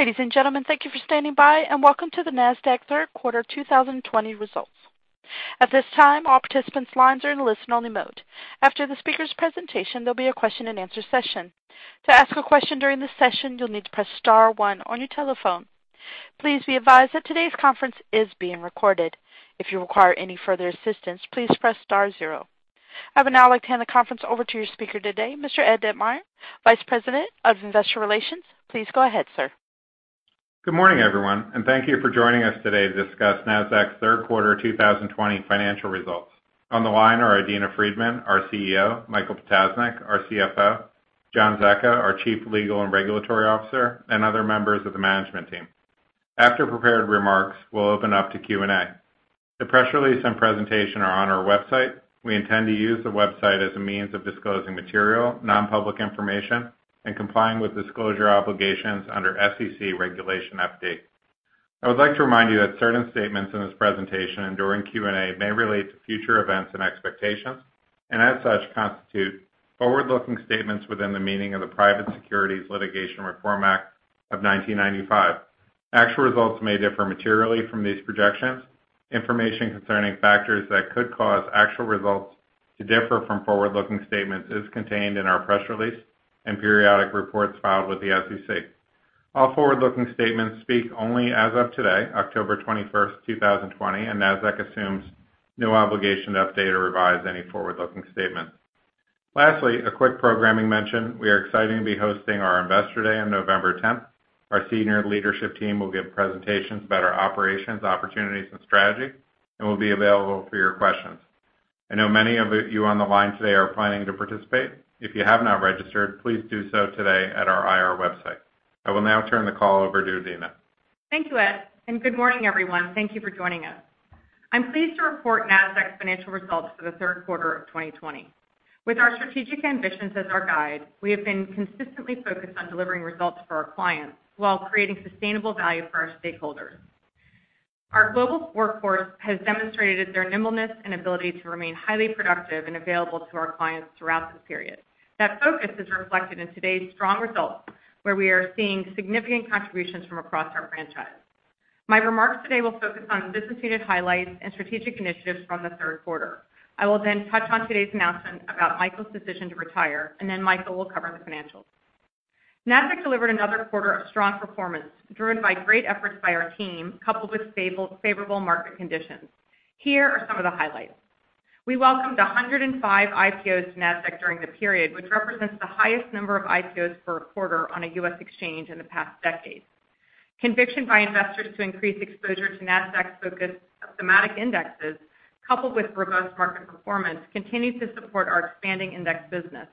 Ladies and gentlemen, thank you for standing by, and welcome to the Nasdaq third quarter 2020 results. At this time, all participants' lines are in listen only mode. After the speaker's presentation, there will be a question and answer session. To ask a question during the session, you will need to press star one on your telephone. Please be advised that today's conference is being recorded. If you require any further assistance, please press star zero. I would now like to hand the conference over to your speaker today, Mr. Ed Ditmire, Vice President of Investor Relations. Please go ahead, sir. Good morning, everyone, and thank you for joining us today to discuss Nasdaq's third quarter 2020 financial results. On the line are Adena Friedman, our CEO, Michael Ptasznik, our CFO, John Zecca, our Chief Legal and Regulatory Officer, and other members of the management team. After prepared remarks, we'll open up to Q&A. The press release and presentation are on our website. We intend to use the website as a means of disclosing material, non-public information and complying with disclosure obligations under SEC Regulation FD. I would like to remind you that certain statements in this presentation and during Q&A may relate to future events and expectations, and as such, constitute forward-looking statements within the meaning of the Private Securities Litigation Reform Act of 1995. Actual results may differ materially from these projections. Information concerning factors that could cause actual results to differ from forward-looking statements is contained in our press release and periodic reports filed with the SEC. All forward-looking statements speak only as of today, October 21st, 2020, and Nasdaq assumes no obligation to update or revise any forward-looking statements. Lastly, a quick programming mention. We are excited to be hosting our Investor Day on November 10th. Our senior leadership team will give presentations about our operations, opportunities, and strategy and will be available for your questions. I know many of you on the line today are planning to participate. If you have not registered, please do so today at our IR website. I will now turn the call over to Adena. Thank you, Ed, and good morning, everyone. Thank you for joining us. I'm pleased to report Nasdaq's financial results for the third quarter of 2020. With our strategic ambitions as our guide, we have been consistently focused on delivering results for our clients while creating sustainable value for our stakeholders. Our global workforce has demonstrated their nimbleness and ability to remain highly productive and available to our clients throughout the period. That focus is reflected in today's strong results, where we are seeing significant contributions from across our franchise. My remarks today will focus on business unit highlights and strategic initiatives from the third quarter. I will then touch on today's announcement about Michael's decision to retire, and then Michael will cover the financials. Nasdaq delivered another quarter of strong performance driven by great efforts by our team, coupled with favorable market conditions. Here are some of the highlights. We welcomed 105 IPOs to Nasdaq during the period, which represents the highest number of IPOs per quarter on a U.S. exchange in the past decade. Conviction by investors to increase exposure to Nasdaq's focused thematic indexes, coupled with robust market performance, continued to support our expanding index business.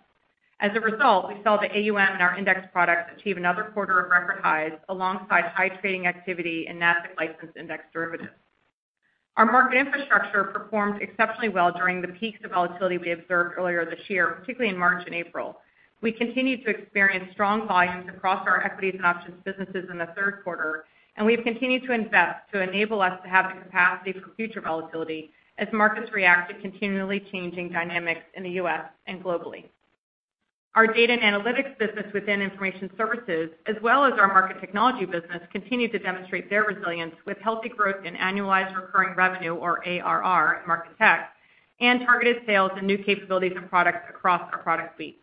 As a result, we saw the AUM in our index products achieve another quarter of record highs alongside high trading activity in Nasdaq licensed index derivatives. Our market infrastructure performed exceptionally well during the peaks of volatility we observed earlier this year, particularly in March and April. We continued to experience strong volumes across our equities and options businesses in the third quarter, and we've continued to invest to enable us to have the capacity for future volatility as markets react to continually changing dynamics in the U.S. and globally. Our data and analytics business within Information Services, as well as our Market Technology business, continued to demonstrate their resilience with healthy growth in annualized recurring revenue, or ARR at Market Tech, and targeted sales and new capabilities and products across our product suite.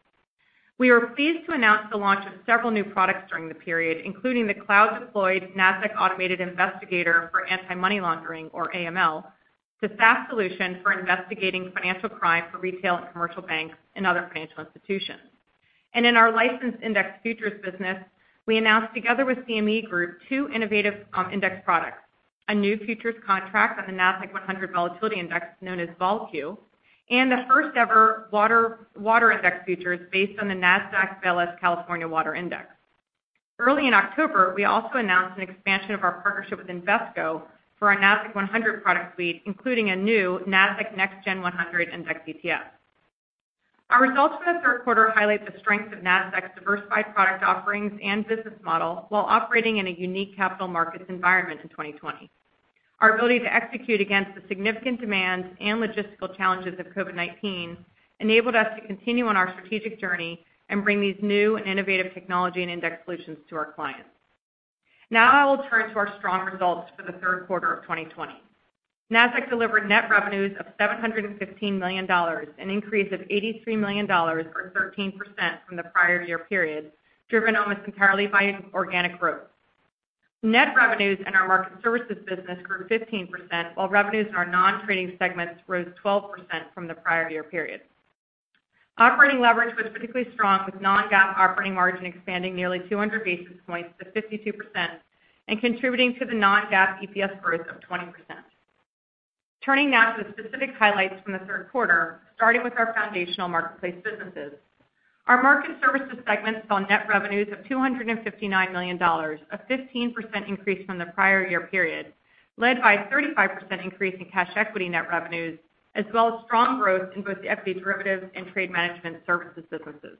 We are pleased to announce the launch of several new products during the period, including the cloud-deployed Nasdaq Automated Investigator for anti-money laundering or AML, the SaaS solution for investigating financial crime for retail and commercial banks and other financial institutions. In our licensed index futures business, we announced, together with CME Group, two innovative index products, a new futures contract on the Nasdaq 100 Volatility Index, known as VolQ, and the first ever water index futures based on the Nasdaq Veles California Water Index. Early in October, we also announced an expansion of our partnership with Invesco for our Nasdaq 100 product suite, including a new Nasdaq Next Generation 100 index ETF. Our results for the third quarter highlight the strength of Nasdaq's diversified product offerings and business model while operating in a unique capital markets environment in 2020. Our ability to execute against the significant demands and logistical challenges of COVID-19 enabled us to continue on our strategic journey and bring these new and innovative technology and index solutions to our clients. Now I will turn to our strong results for the third quarter of 2020. Nasdaq delivered net revenues of $715 million, an increase of $83 million or 13% from the prior year period, driven almost entirely by organic growth. Net revenues in our Market Services business grew 15%, while revenues in our non-trading segments rose 12% from the prior year period. Operating leverage was particularly strong, with non-GAAP operating margin expanding nearly 200 basis points to 52% and contributing to the non-GAAP EPS growth of 20%. Turning now to the specific highlights from the third quarter, starting with our foundational marketplace businesses. Our Market Services segment saw net revenues of $259 million, a 15% increase from the prior year period, led by a 35% increase in cash equity net revenues, as well as strong growth in both the FB derivatives and trade management services businesses.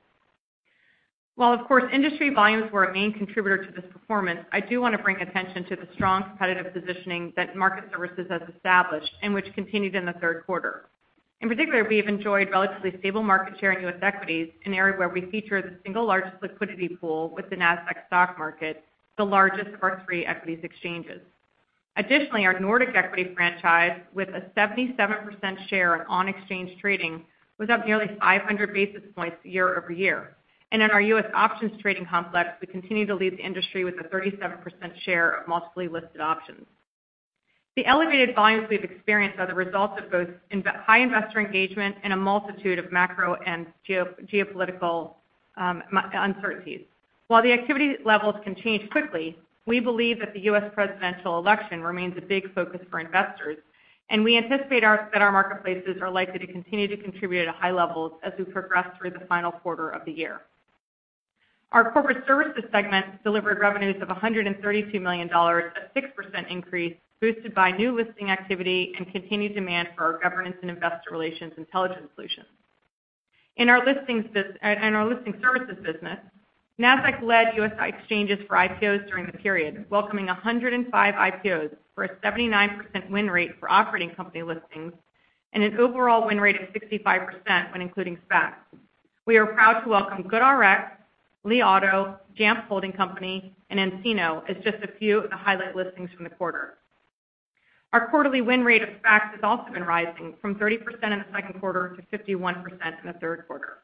While, of course, industry volumes were a main contributor to this performance, I do want to bring attention to the strong competitive positioning that Market Services has established and which continued in the third quarter. In particular, we have enjoyed relatively stable market share in U.S. equities, an area where we feature the single largest liquidity pool with the Nasdaq Stock Market, the largest of our three equities exchanges. Our Nordic equities franchise, with a 77% share of on-exchange trading, was up nearly 500 basis points year-over-year. In our U.S. options trading complex, we continue to lead the industry with a 37% share of monthly listed options. The elevated volumes we've experienced are the result of both high investor engagement and a multitude of macro and geopolitical uncertainties. While the activity levels can change quickly, we believe that the U.S. presidential election remains a big focus for investors, and we anticipate that our marketplaces are likely to continue to contribute at high levels as we progress through the final quarter of the year. Our corporate services segment delivered revenues of $132 million, a 6% increase boosted by new listing activity and continued demand for our governance and investor relations intelligence solutions. In our listing services business, Nasdaq led U.S. exchanges for IPOs during the period, welcoming 105 IPOs for a 79% win rate for operating company listings and an overall win rate of 65% when including SPACs. We are proud to welcome GoodRx, Li Auto, Jamf Holding Corp., and nCino as just a few of the highlight listings from the quarter. Our quarterly win rate of SPACs has also been rising from 30% in the second quarter to 51% in the third quarter.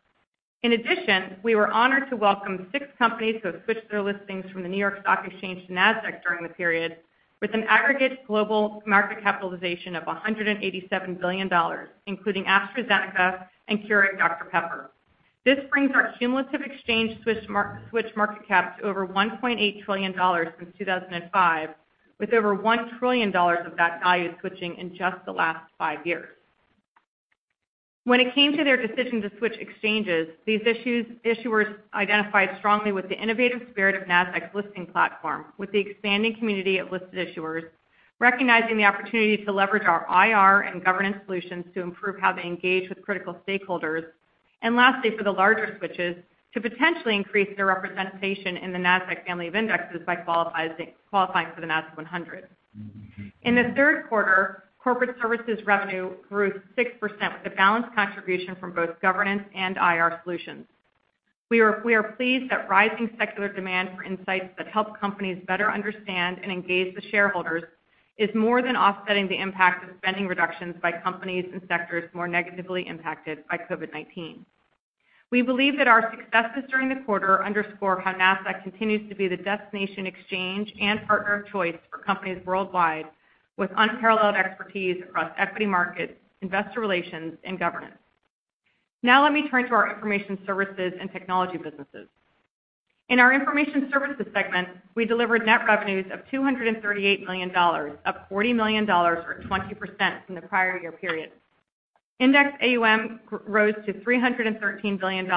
In addition, we were honored to welcome six companies that switched their listings from the New York Stock Exchange to Nasdaq during the period with an aggregate global market capitalization of $187 billion, including AstraZeneca and Keurig Dr Pepper. This brings our cumulative exchange switch market cap to over $1.8 trillion since 2005, with over $1 trillion of that value switching in just the last five years. When it came to their decision to switch exchanges, these issuers identified strongly with the innovative spirit of Nasdaq's listing platform, with the expanding community of listed issuers recognizing the opportunity to leverage our IR and governance solutions to improve how they engage with critical stakeholders. Lastly, for the larger switches, to potentially increase their representation in the Nasdaq family of indexes by qualifying for the Nasdaq 100. In the third quarter, corporate services revenue grew 6% with a balanced contribution from both governance and IR solutions. We are pleased that rising secular demand for insights that help companies better understand and engage the shareholders is more than offsetting the impact of spending reductions by companies and sectors more negatively impacted by COVID-19. We believe that our successes during the quarter underscore how Nasdaq continues to be the destination exchange and partner of choice for companies worldwide, with unparalleled expertise across equity markets, investor relations, and governance. Now let me turn to our Information Services and technology businesses. In our Information Services segment, we delivered net revenues of $238 million, up $40 million or 20% from the prior year period. Index AUM rose to $313 billion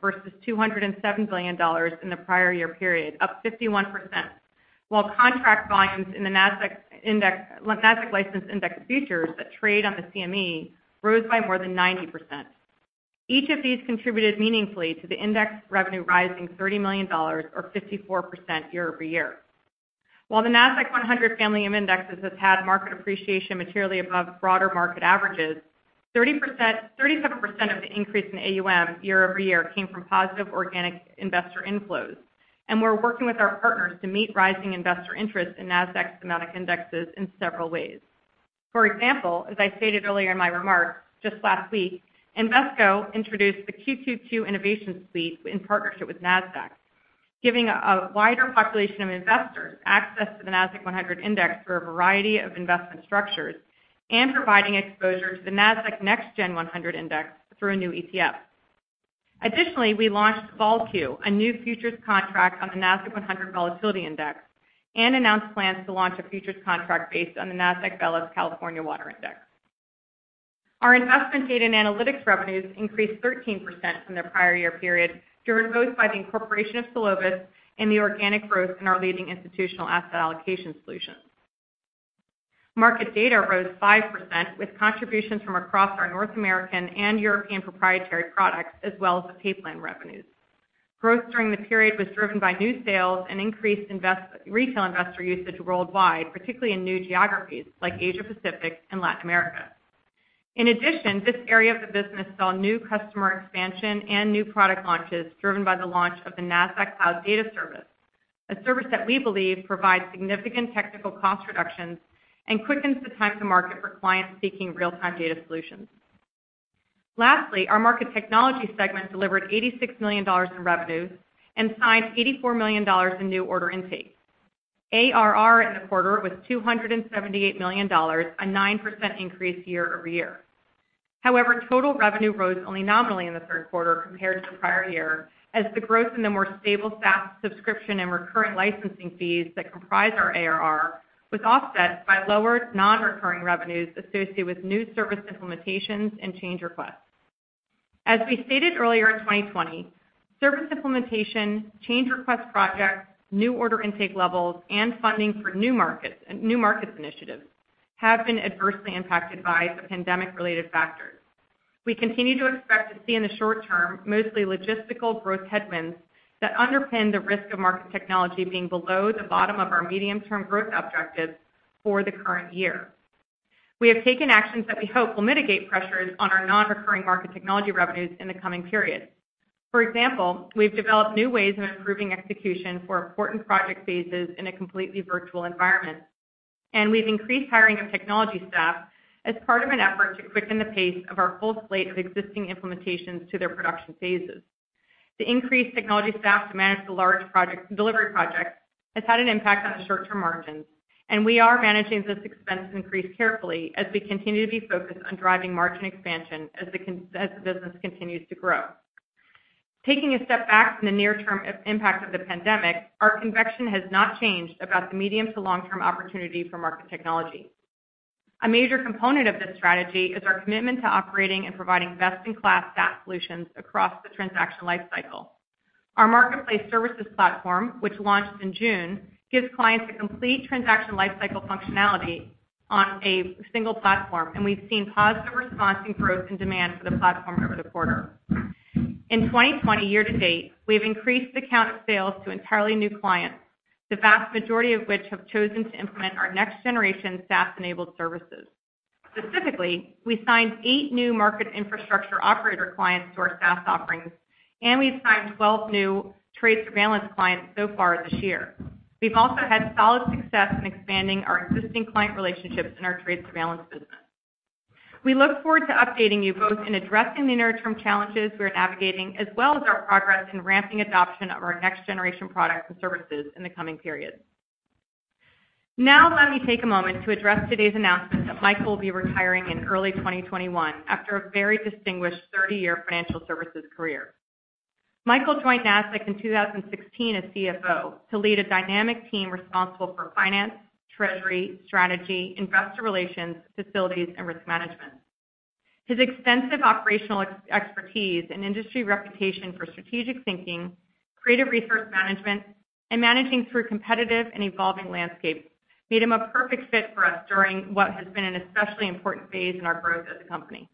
versus $207 billion in the prior year period, up 51%, while contract volumes in the Nasdaq licensed index futures that trade on the CME rose by more than 90%. Each of these contributed meaningfully to the index revenue rising $30 million or 54% year-over-year. While the Nasdaq 100 family of indexes has had market appreciation materially above broader market averages, 37% of the increase in AUM year-over-year came from positive organic investor inflows. We're working with our partners to meet rising investor interest in Nasdaq's family of indexes in several ways. For example, as I stated earlier in my remarks, just last week, Invesco introduced the QQQ Innovation Suite in partnership with Nasdaq, giving a wider population of investors access to the Nasdaq 100 index for a variety of investment structures and providing exposure to the Nasdaq Next Gen 100 index through a new ETF. Additionally, we launched VOLQ, a new futures contract on the Nasdaq-100 Volatility Index, and announced plans to launch a futures contract based on the Nasdaq Veles California Water Index. Our investment data and analytics revenues increased 13% from the prior year period, driven both by the incorporation of Solovis and the organic growth in our leading institutional asset allocation solutions. Market data rose 5%, with contributions from across our North American and European proprietary products, as well as the Papillon revenues. Growth during the period was driven by new sales and increased retail investor usage worldwide, particularly in new geographies like Asia-Pacific and Latin America. In addition, this area of the business saw new customer expansion and new product launches driven by the launch of the Nasdaq Cloud Data Service, a service that we believe provides significant technical cost reductions and quickens the time to market for clients seeking real-time data solutions. Lastly, our market technology segment delivered $86 million in revenues and signed $84 million in new order intake. ARR in the quarter was $278 million, a 9% increase year-over-year. Total revenue rose only nominally in the third quarter compared to the prior year, as the growth in the more stable SaaS subscription and recurring licensing fees that comprise our ARR was offset by lower non-recurring revenues associated with new service implementations and change requests. As we stated earlier in 2020, service implementation, change request projects, new order intake levels, and funding for new markets initiatives have been adversely impacted by the pandemic-related factors. We continue to expect to see in the short term, mostly logistical growth headwinds that underpin the risk of market technology being below the bottom of our medium-term growth objectives for the current year. We have taken actions that we hope will mitigate pressures on our non-recurring market technology revenues in the coming period. For example, we've developed new ways of improving execution for important project phases in a completely virtual environment. We've increased hiring of technology staff as part of an effort to quicken the pace of our full slate of existing implementations to their production phases. The increased technology staff to manage the large delivery projects has had an impact on the short-term margins, and we are managing this expense increase carefully as we continue to be focused on driving margin expansion as the business continues to grow. Taking a step back from the near-term impact of the pandemic, our conviction has not changed about the medium to long-term opportunity for market technology. A major component of this strategy is our commitment to operating and providing best-in-class SaaS solutions across the transaction life cycle. Our Marketplace Services Platform, which launched in June, gives clients a complete transaction life cycle functionality on a single platform, and we've seen positive response and growth in demand for the platform over the quarter. In 2020 year to date, we have increased the count of sales to entirely new clients, the vast majority of which have chosen to implement our next generation SaaS-enabled services. Specifically, we signed eight new market infrastructure operator clients to our SaaS offerings, and we've signed 12 new trade surveillance clients so far this year. We've also had solid success in expanding our existing client relationships in our trade surveillance business. We look forward to updating you both in addressing the near-term challenges we are navigating as well as our progress in ramping adoption of our next generation products and services in the coming period. Let me take a moment to address today's announcement that Michael will be retiring in early 2021 after a very distinguished 30-year financial services career. Michael joined Nasdaq in 2016 as CFO to lead a dynamic team responsible for finance, treasury, strategy, investor relations, facilities, and risk management. His extensive operational expertise and industry reputation for strategic thinking, creative resource management, and managing through competitive and evolving landscapes made him a perfect fit for us during what has been an especially important phase in our growth as a company.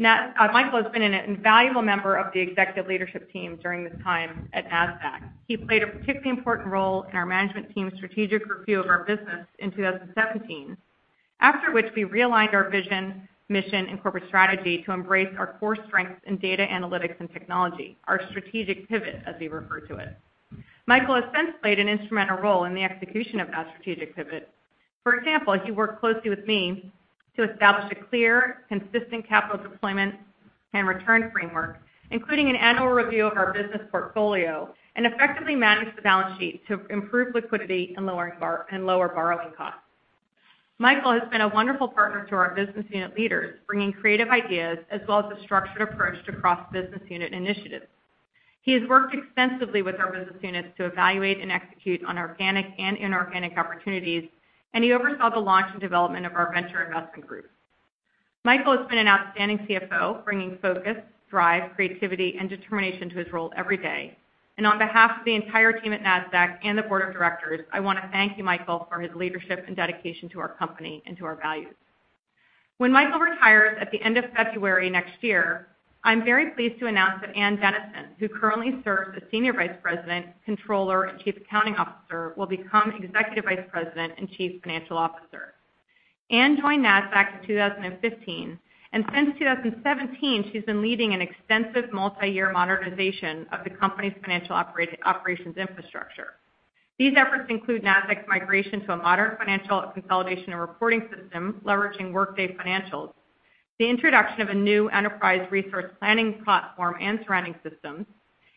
Michael has been an invaluable member of the executive leadership team during his time at Nasdaq. He played a particularly important role in our management team's strategic review of our business in 2017, after which we realigned our vision, mission, and corporate strategy to embrace our core strengths in data analytics and technology, our strategic pivot, as we refer to it. Michael has since played an instrumental role in the execution of that strategic pivot. For example, he worked closely with me to establish a clear, consistent capital deployment and return framework, including an annual review of our business portfolio, and effectively manage the balance sheet to improve liquidity and lower borrowing costs. Michael has been a wonderful partner to our business unit leaders, bringing creative ideas as well as a structured approach to cross-business unit initiatives. He has worked extensively with our business units to evaluate and execute on organic and inorganic opportunities, and he oversaw the launch and development of our venture investment group. Michael has been an outstanding CFO, bringing focus, drive, creativity, and determination to his role every day. On behalf of the entire team at Nasdaq and the board of directors, I want to thank you, Michael, for his leadership and dedication to our company and to our values. When Michael retires at the end of February next year, I'm very pleased to announce that Ann Dennison, who currently serves as Senior Vice President, Controller, and Chief Accounting Officer, will become Executive Vice President and Chief Financial Officer. Ann joined Nasdaq in 2015, and since 2017, she's been leading an extensive multi-year modernization of the company's financial operations infrastructure. These efforts include Nasdaq's migration to a modern financial consolidation and reporting system leveraging Workday Financials, the introduction of a new enterprise resource planning platform and surrounding systems,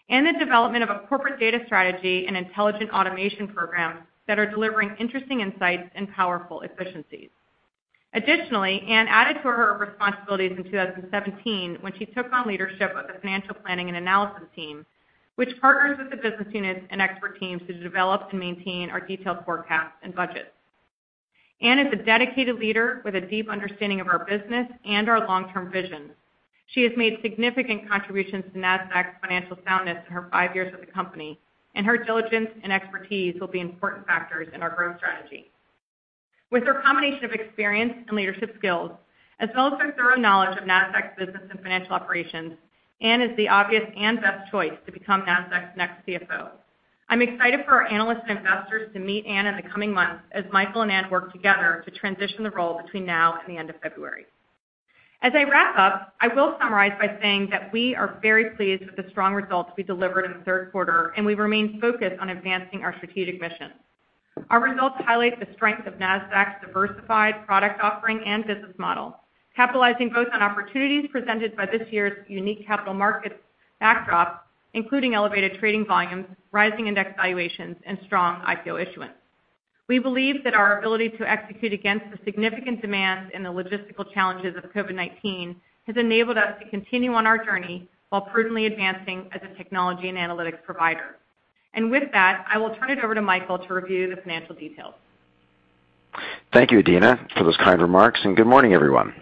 and the development of a corporate data strategy and intelligent automation programs that are delivering interesting insights and powerful efficiencies. Additionally, Ann added to her responsibilities in 2017 when she took on leadership of the Financial Planning and Analysis Team, which partners with the business units and expert teams to develop and maintain our detailed forecasts and budgets. Ann is a dedicated leader with a deep understanding of our business and our long-term vision. She has made significant contributions to Nasdaq's financial soundness in her five years with the company, and her diligence and expertise will be important factors in our growth strategy. With her combination of experience and leadership skills, as well as her thorough knowledge of Nasdaq's business and financial operations, Ann is the obvious and best choice to become Nasdaq's next CFO. I'm excited for our analysts and investors to meet Ann in the coming months as Michael and Ann work together to transition the role between now and the end of February. As I wrap up, I will summarize by saying that we are very pleased with the strong results we delivered in the third quarter, and we remain focused on advancing our strategic mission. Our results highlight the strength of Nasdaq's diversified product offering and business model, capitalizing both on opportunities presented by this year's unique capital market backdrop, including elevated trading volumes, rising index valuations, and strong IPO issuance. We believe that our ability to execute against the significant demands and the logistical challenges of COVID-19 has enabled us to continue on our journey while prudently advancing as a technology and analytics provider. With that, I will turn it over to Michael to review the financial details. Thank you, Adena, for those kind remarks. Good morning, everyone.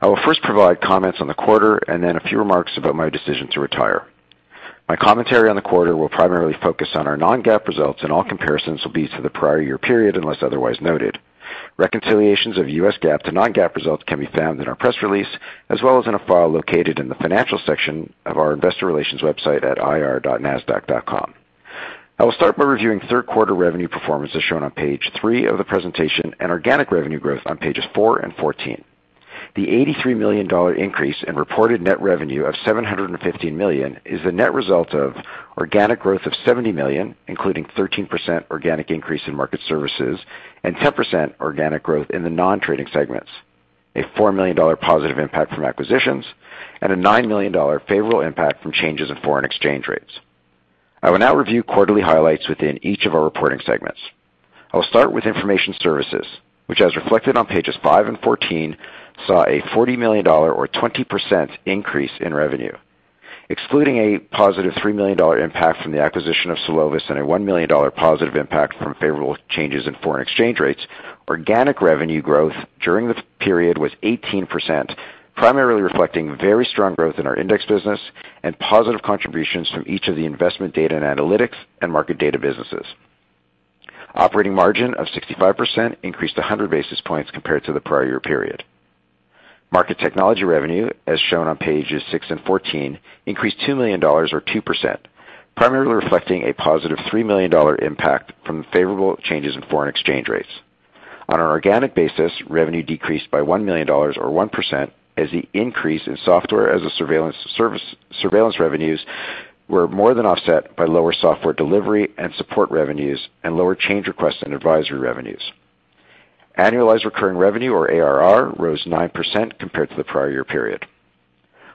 I will first provide comments on the quarter and then a few remarks about my decision to retire. My commentary on the quarter will primarily focus on our non-GAAP results. All comparisons will be to the prior year period unless otherwise noted. Reconciliations of US GAAP to non-GAAP results can be found in our press release, as well as in a file located in the financial section of our investor relations website at ir.nasdaq.com. I will start by reviewing third-quarter revenue performance as shown on page three of the presentation and organic revenue growth on pages four and 14. The $83 million increase in reported net revenue of $715 million is the net result of organic growth of $70 million, including 13% organic increase in Market Services and 10% organic growth in the non-trading segments, a $4 million positive impact from acquisitions, and a $9 million favorable impact from changes in foreign exchange rates. I will now review quarterly highlights within each of our reporting segments. I will start with Information Services, which, as reflected on pages five and 14, saw a $40 million, or 20%, increase in revenue. Excluding a positive $3 million impact from the acquisition of Solovis and a $1 million positive impact from favorable changes in foreign exchange rates, organic revenue growth during the period was 18%, primarily reflecting very strong growth in our index business and positive contributions from each of the investment data and analytics and market data businesses. Operating margin of 65% increased 100 basis points compared to the prior year period. Market Technology Revenue, as shown on pages six and 14, increased $2 million, or 2%, primarily reflecting a positive $3 million impact from favorable changes in foreign exchange rates. On an organic basis, revenue decreased by $1 million, or 1%, as the increase in SaaS revenues were more than offset by lower software delivery and support revenues and lower change requests and advisory revenues. Annualized recurring revenue, or ARR, rose 9% compared to the prior year period.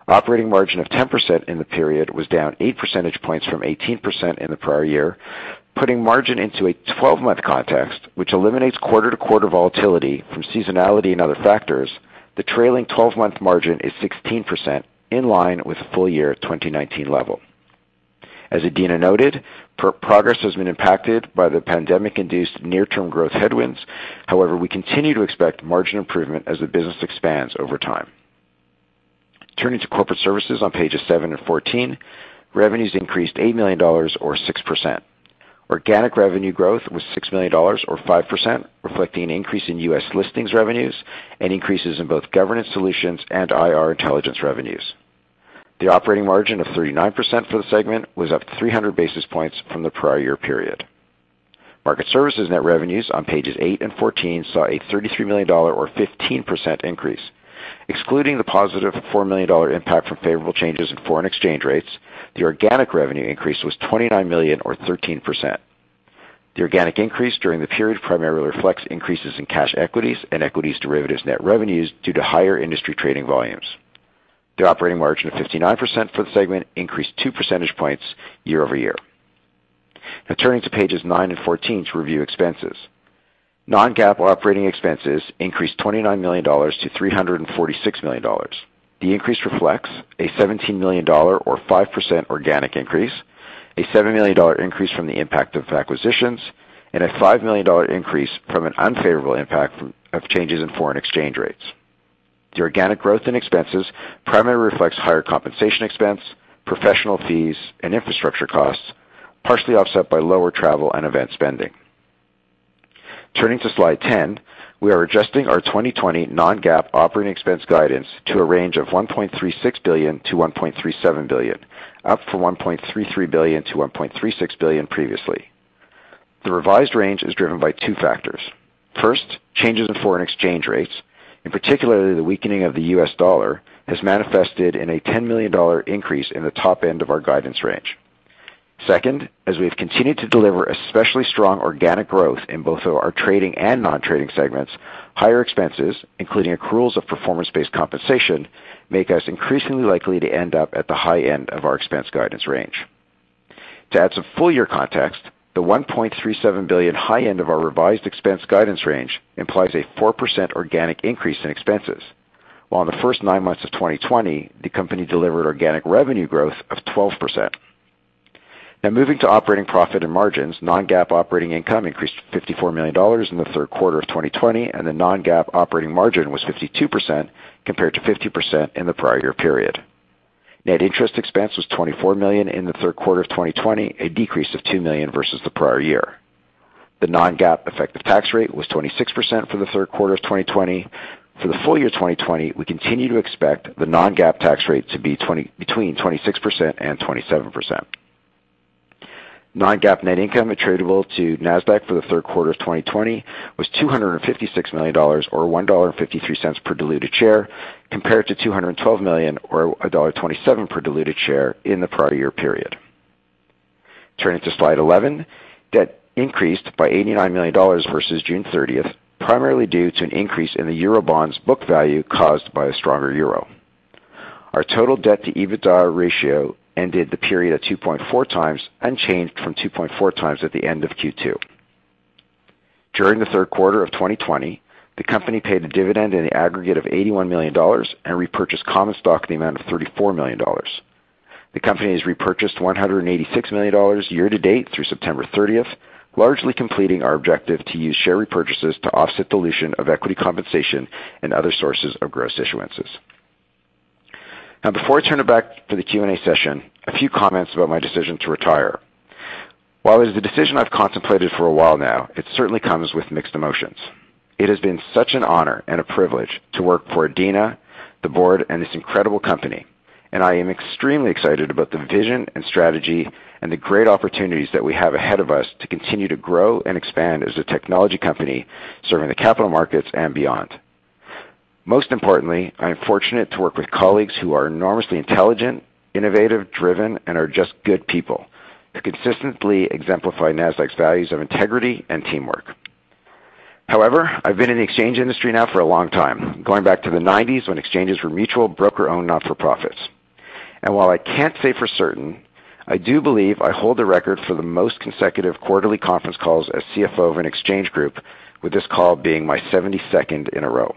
Operating margin of 10% in the period was down eight percentage points from 18% in the prior year. Putting margin into a 12-month context, which eliminates quarter-to-quarter volatility from seasonality and other factors, the trailing 12-month margin is 16%, in line with the full year 2019 level. As Adena noted, progress has been impacted by the pandemic-induced near-term growth headwinds. However, we continue to expect margin improvement as the business expands over time. Turning to corporate services on pages seven and 14, revenues increased $8 million, or 6%. Organic revenue growth was $6 million, or 5%, reflecting an increase in U.S. listings revenues and increases in both governance solutions and IR intelligence revenues. The operating margin of 39% for the segment was up 300 basis points from the prior year period. Market Services net revenues on pages eight and 14 saw a $33 million, or 15%, increase. Excluding the positive $4 million impact from favorable changes in foreign exchange rates, the organic revenue increase was $29 million, or 13%. The organic increase during the period primarily reflects increases in cash equities and equities derivatives net revenues due to higher industry trading volumes. The operating margin of 59% for the segment increased two percentage points year-over-year. Now turning to pages nine and 14 to review expenses. Non-GAAP operating expenses increased $29 million-$346 million. The increase reflects a $17 million, or 5%, organic increase, a $7 million increase from the impact of acquisitions, and a $5 million increase from an unfavorable impact of changes in foreign exchange rates. The organic growth in expenses primarily reflects higher compensation expense, professional fees, and infrastructure costs, partially offset by lower travel and event spending. Turning to slide 10, we are adjusting our 2020 non-GAAP operating expense guidance to a range of $1.36 billion-$1.37 billion, up from $1.33 billion-$1.36 billion previously. The revised range is driven by two factors. First, changes in foreign exchange rates, in particular, the weakening of the U.S. dollar, has manifested in a $10 million increase in the top end of our guidance range. Second, as we have continued to deliver especially strong organic growth in both our trading and non-trading segments, higher expenses, including accruals of performance-based compensation, make us increasingly likely to end up at the high end of our expense guidance range. To add some full-year context, the $1.37 billion high end of our revised expense guidance range implies a 4% organic increase in expenses, while in the first nine months of 2020, the company delivered organic revenue growth of 12%. Now moving to operating profit and margins. Non-GAAP operating income increased $54 million in the third quarter of 2020, and the Non-GAAP operating margin was 52% compared to 50% in the prior year period. Net interest expense was $24 million in the third quarter of 2020, a decrease of $2 million versus the prior year. The non-GAAP effective tax rate was 26% for the third quarter of 2020. For the full year 2020, we continue to expect the non-GAAP tax rate to be between 26%-27%. Non-GAAP net income attributable to Nasdaq for the third quarter of 2020 was $256 million, or $1.53 per diluted share, compared to $212 million, or $1.27 per diluted share in the prior year period. Turning to slide 11, debt increased by $89 million versus June 30th, 2020 primarily due to an increase in the Eurobond's book value caused by a stronger euro. Our total debt to EBITDA ratio ended the period at 2.4x, unchanged from 2.4x at the end of Q2. During the third quarter of 2020, the company paid a dividend in the aggregate of $81 million and repurchased common stock in the amount of $34 million. The company has repurchased $186 million year-to-date through September 30th. Largely completing our objective to use share repurchases to offset dilution of equity compensation and other sources of gross issuances. Before I turn it back for the Q&A session, a few comments about my decision to retire. While it is the decision I've contemplated for a while now, it certainly comes with mixed emotions. It has been such an honor and a privilege to work for Adena, the board, and this incredible company. I am extremely excited about the vision and strategy and the great opportunities that we have ahead of us to continue to grow and expand as a technology company serving the capital markets and beyond. Most importantly, I am fortunate to work with colleagues who are enormously intelligent, innovative, driven, and are just good people that consistently exemplify Nasdaq's values of integrity and teamwork. However, I've been in the exchange industry now for a long time, going back to the '90s, when exchanges were mutual broker-owned, not for profits. While I can't say for certain, I do believe I hold the record for the most consecutive quarterly conference calls as CFO of an exchange group, with this call being my 72nd in a row.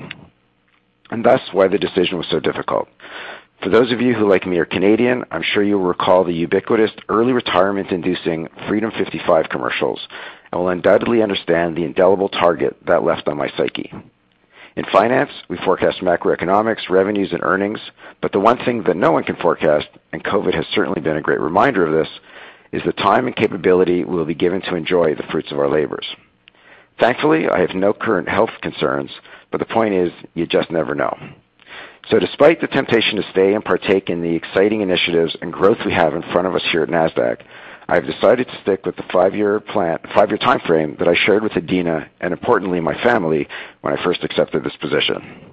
Thus why the decision was so difficult. For those of you who, like me, are Canadian, I'm sure you'll recall the ubiquitous early retirement-inducing Freedom 55 commercials and will undoubtedly understand the indelible target that left on my psyche. In finance, we forecast macroeconomics, revenues, and earnings. The one thing that no one can forecast, and COVID has certainly been a great reminder of this, is the time and capability we'll be given to enjoy the fruits of our labors. Thankfully, I have no current health concerns, but the point is, you just never know. Despite the temptation to stay and partake in the exciting initiatives and growth we have in front of us here at Nasdaq, I've decided to stick with the five-year timeframe that I shared with Adena, and importantly, my family, when I first accepted this position.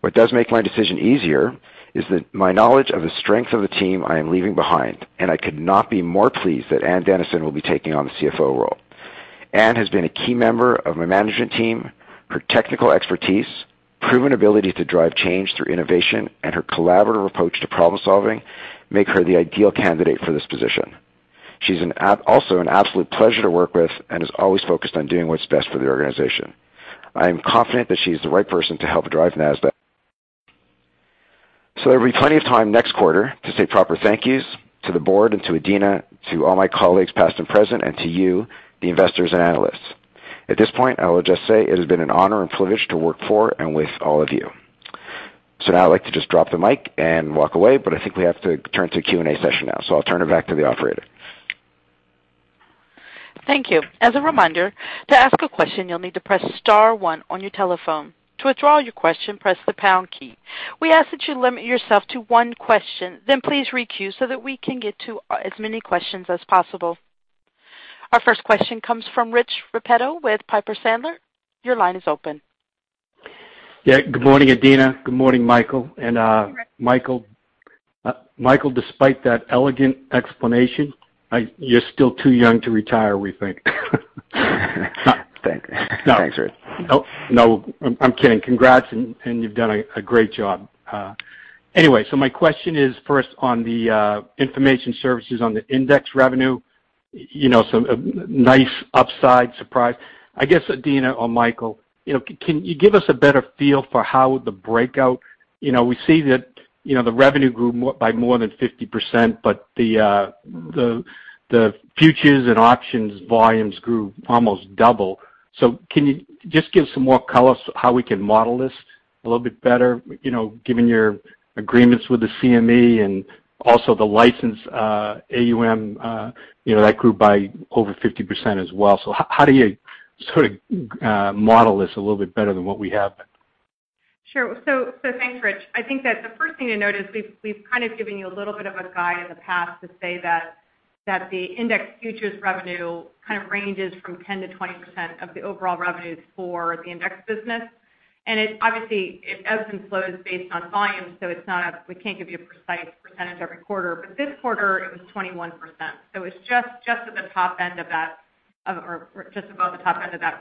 What does make my decision easier is that my knowledge of the strength of the team I am leaving behind, and I could not be more pleased that Ann Dennison will be taking on the CFO role. Ann has been a key member of my management team. Her technical expertise, proven ability to drive change through innovation, and her collaborative approach to problem-solving make her the ideal candidate for this position. She's also an absolute pleasure to work with and is always focused on doing what's best for the organization. I am confident that she's the right person to help drive Nasdaq. There'll be plenty of time next quarter to say proper thank you's to the board and to Adena, to all my colleagues, past and present, and to you, the investors and analysts. At this point, I will just say it has been an honor and privilege to work for and with all of you. Now I'd like to just drop the mic and walk away, but I think we have to turn to Q&A session now. I'll turn it back to the operator. Thank you. As a reminder, to ask a question, you'll need to press star one on your telephone. To withdraw your question, press the pound key. We ask that you limit yourself to one question, then please re-queue so that we can get to as many questions as possible. Our first question comes from Rich Repetto with Piper Sandler. Your line is open. Yeah. Good morning, Adena. Good morning, Michael. Michael, despite that elegant explanation, you're still too young to retire, we think. Thanks. Thanks, Rich. No, I'm kidding. Congrats. You've done a great job. Anyway, my question is first on the information services on the index revenue. A nice upside surprise. I guess, Adena or Michael, can you give us a better feel for how the breakout? We see that the revenue grew by more than 50%, but the futures and options volumes grew almost double. Can you just give some more color how we can model this a little bit better given your agreements with the CME and also the licensed AUM that grew by over 50% as well? How do you sort of model this a little bit better than what we have been? Sure. Thanks, Rich. I think that the first thing to note is we've kind of given you a little bit of a guide in the past to say that the index futures revenue kind of ranges from 10%-20% of the overall revenues for the index business. Obviously, it ebbs and flows based on volume, so we can't give you a precise percentage every quarter. This quarter, it was 21%. It's just above the top end of that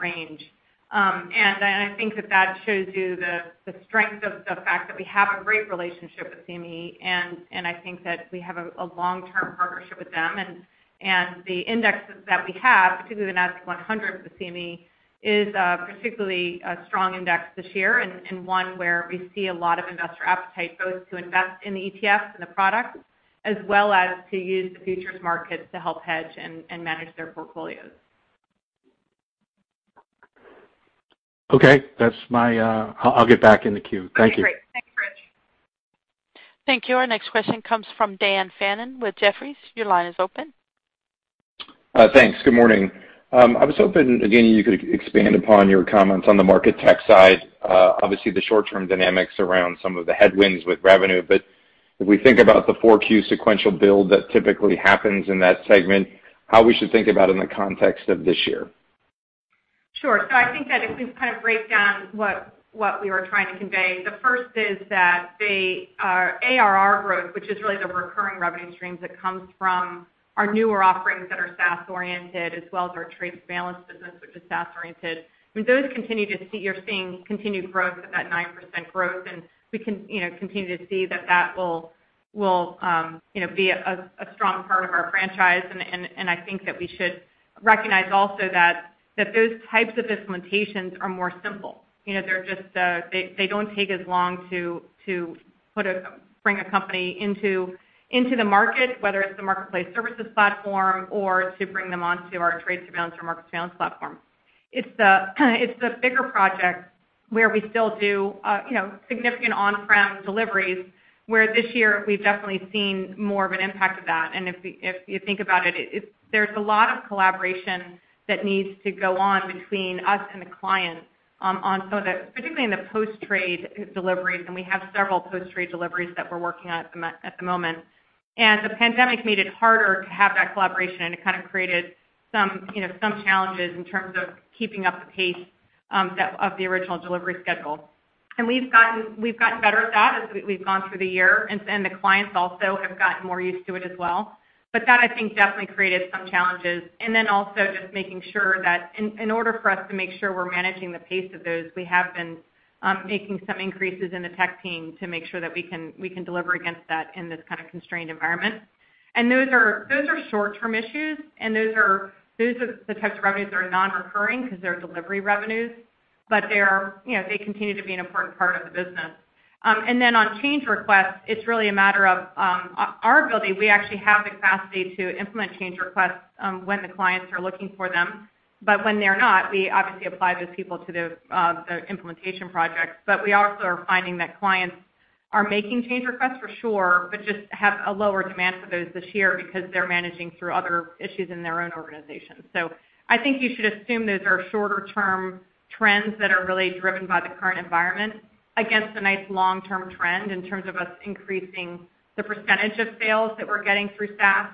range. I think that that shows you the strength of the fact that we have a great relationship with CME, and I think that we have a long-term partnership with them. The indexes that we have, particularly the Nasdaq 100 with the CME, is particularly a strong index this year and one where we see a lot of investor appetite, both to invest in the ETF and the product, as well as to use the futures market to help hedge and manage their portfolios. Okay. I'll get back in the queue. Thank you. Okay, great. Thanks, Rich. Thank you. Our next question comes from Dan Fannon with Jefferies. Your line is open. Thanks. Good morning. I was hoping, Adena, you could expand upon your comments on the market tech side. Obviously, the short-term dynamics around some of the headwinds with revenue, but if we think about the 4Q sequential build that typically happens in that segment, how we should think about in the context of this year? Sure. I think that if we kind of break down what we were trying to convey, the first is that the ARR growth, which is really the recurring revenue streams that comes from our newer offerings that are SaaS oriented, as well as our trade surveillance business, which is SaaS oriented. You're seeing continued growth of that 9% growth, and we continue to see that will be a strong part of our franchise. I think that we should recognize also that those types of implementations are more simple. They don't take as long to bring a company into the market, whether it's the Marketplace Services Platform or to bring them onto our trades surveillance or market surveillance platform. It's the bigger project where we still do significant on-prem deliveries, where this year we've definitely seen more of an impact of that. If you think about it, there's a lot of collaboration that needs to go on between us and the client, particularly in the post-trade deliveries, and we have several post-trade deliveries that we're working on at the moment. The pandemic made it harder to have that collaboration, and it kind of created some challenges in terms of keeping up the pace of the original delivery schedule. We've gotten better at that as we've gone through the year, and the clients also have gotten more used to it as well. That, I think, definitely created some challenges. Also just making sure that in order for us to make sure we're managing the pace of those, we have been making some increases in the tech team to make sure that we can deliver against that in this kind of constrained environment. Those are short-term issues, and those are the types of revenues that are non-recurring because they're delivery revenues. They continue to be an important part of the business. Then on change requests, it's really a matter of our ability. We actually have the capacity to implement change requests when the clients are looking for them. When they're not, we obviously apply those people to the implementation projects. We also are finding that clients are making change requests, for sure, but just have a lower demand for those this year because they're managing through other issues in their own organization. I think you should assume those are shorter-term trends that are really driven by the current environment against a nice long-term trend in terms of us increasing the percentage of sales that we're getting through SaaS,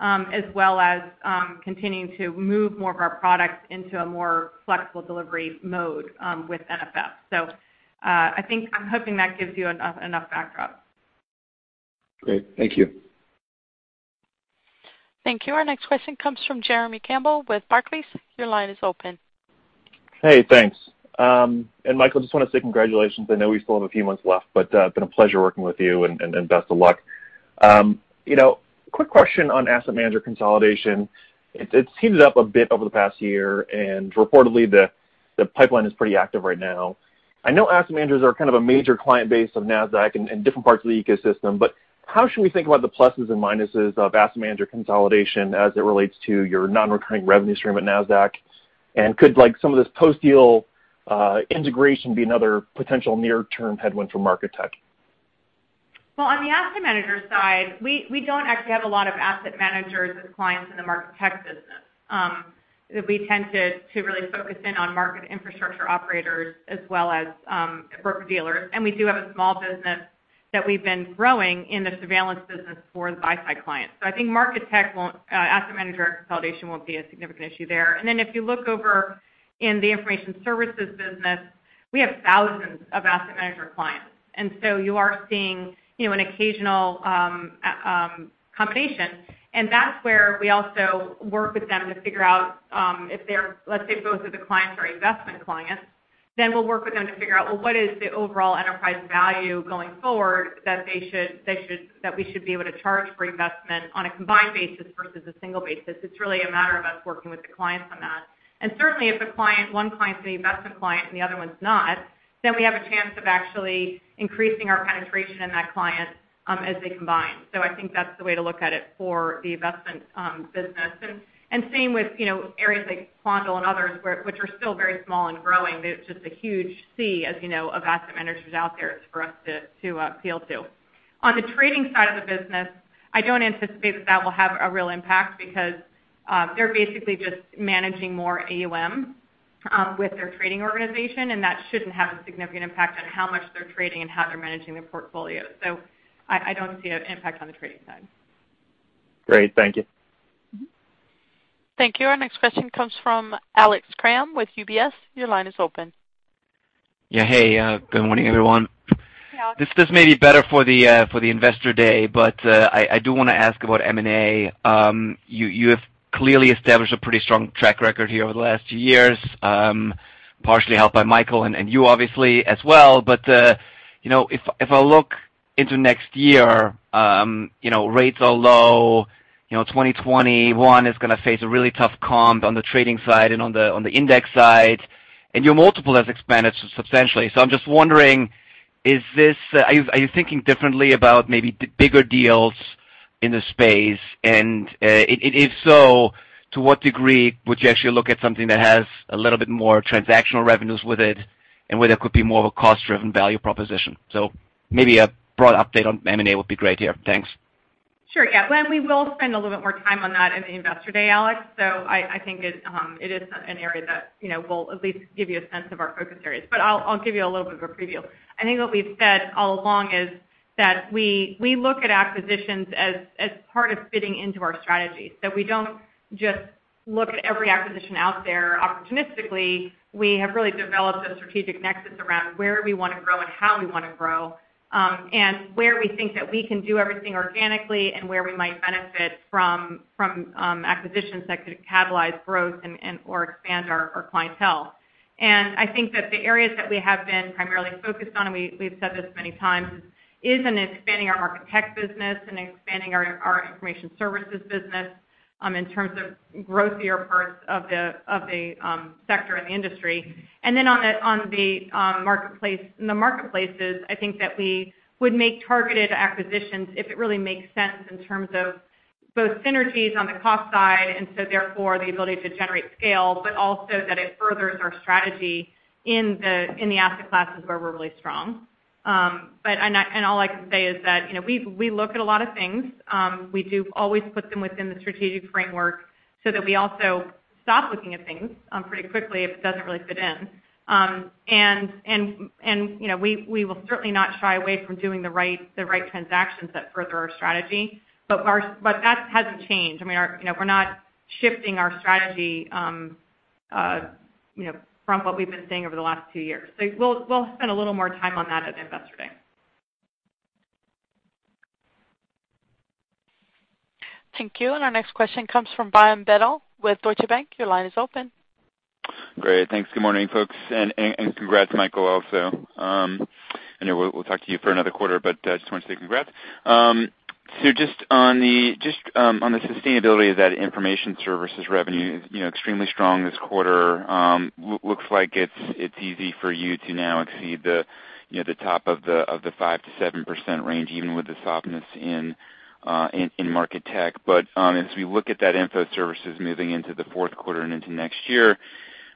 as well as continuing to move more of our products into a more flexible delivery mode with NFF. I'm hoping that gives you enough background. Great. Thank you. Thank you. Our next question comes from Jeremy Campbell with Barclays. Your line is open. Hey, thanks. And Michael, just want to say congratulations. I know we still have a few months left, but been a pleasure working with you and best of luck. Quick question on asset manager consolidation. It's heated up a bit over the past year, and reportedly, the pipeline is pretty active right now. I know asset managers are kind of a major client base of Nasdaq and different parts of the ecosystem, but how should we think about the pluses and minuses of asset manager consolidation as it relates to your non-recurring revenue stream at Nasdaq? And could some of this post-deal integration be another potential near-term headwind for Market Tech? On the asset manager side, we don't actually have a lot of asset managers as clients in the Market Tech business. We tend to really focus in on market infrastructure operators as well as broker-dealers. We do have a small business that we've been growing in the surveillance business for the buy-side clients. I think asset manager consolidation won't be a significant issue there. If you look over in the information services business, we have thousands of asset manager clients. You are seeing an occasional combination, and that's where we also work with them to figure out if they're Let's say both of the clients are investment clients, then we'll work with them to figure out, well, what is the overall enterprise value going forward that we should be able to charge for investment on a combined basis versus a single basis. It's really a matter of us working with the clients on that. Certainly, if one client's the investment client and the other one's not, then we have a chance of actually increasing our penetration in that client as they combine. I think that's the way to look at it for the investment business. Same with areas like Quandl and others, which are still very small and growing. There's just a huge sea, as you know, of asset managers out there for us to appeal to. On the trading side of the business, I don't anticipate that that will have a real impact because they're basically just managing more AUM with their trading organization, and that shouldn't have a significant impact on how much they're trading and how they're managing their portfolio. I don't see an impact on the trading side. Great. Thank you. Thank you. Our next question comes from Alex Kramm with UBS. Your line is open. Yeah. Hey, good morning, everyone. Hi, Alex. This may be better for the Investor Day, I do want to ask about M&A. You have clearly established a pretty strong track record here over the last few years, partially helped by Michael and you obviously as well. If I look into next year, rates are low. 2021 is going to face a really tough comp on the trading side and on the index side, and your multiple has expanded substantially. I'm just wondering, are you thinking differently about maybe bigger deals in this space? If so, to what degree would you actually look at something that has a little bit more transactional revenues with it and where there could be more of a cost-driven value proposition? Maybe a broad update on M&A would be great to hear. Thanks. Sure, yeah. We will spend a little bit more time on that in the Investor Day, Alex. I think it is an area that we'll at least give you a sense of our focus areas. I'll give you a little bit of a preview. I think what we've said all along is that we look at acquisitions as part of fitting into our strategy, so we don't just look at every acquisition out there opportunistically. We have really developed a strategic nexus around where we want to grow and how we want to grow, and where we think that we can do everything organically, and where we might benefit from acquisitions that could catalyze growth and/or expand our clientele. I think that the areas that we have been primarily focused on, and we've said this many times, is in expanding our Market Services business and expanding our Information Services business, in terms of growthier parts of the sector and the industry. Then on the marketplaces, I think that we would make targeted acquisitions if it really makes sense in terms of both synergies on the cost side, and so therefore the ability to generate scale, but also that it furthers our strategy in the asset classes where we're really strong. All I can say is that we look at a lot of things. We do always put them within the strategic framework so that we also stop looking at things pretty quickly if it doesn't really fit in. We will certainly not shy away from doing the right transactions that further our strategy, but that hasn't changed. I mean, we're not shifting our strategy from what we've been saying over the last two years. We'll spend a little more time on that at Investor Day. Thank you. Our next question comes from Brian Bedell with Deutsche Bank. Your line is open. Great. Thanks. Good morning, folks, and congrats, Michael, also. I know we'll talk to you for another quarter, but just wanted to say congrats. Just on the sustainability of that Information Services revenue, extremely strong this quarter. Looks like it's easy for you to now exceed the top of the 5%-7% range, even with the softness in Market Tech. As we look at that Information Services moving into the fourth quarter and into next year,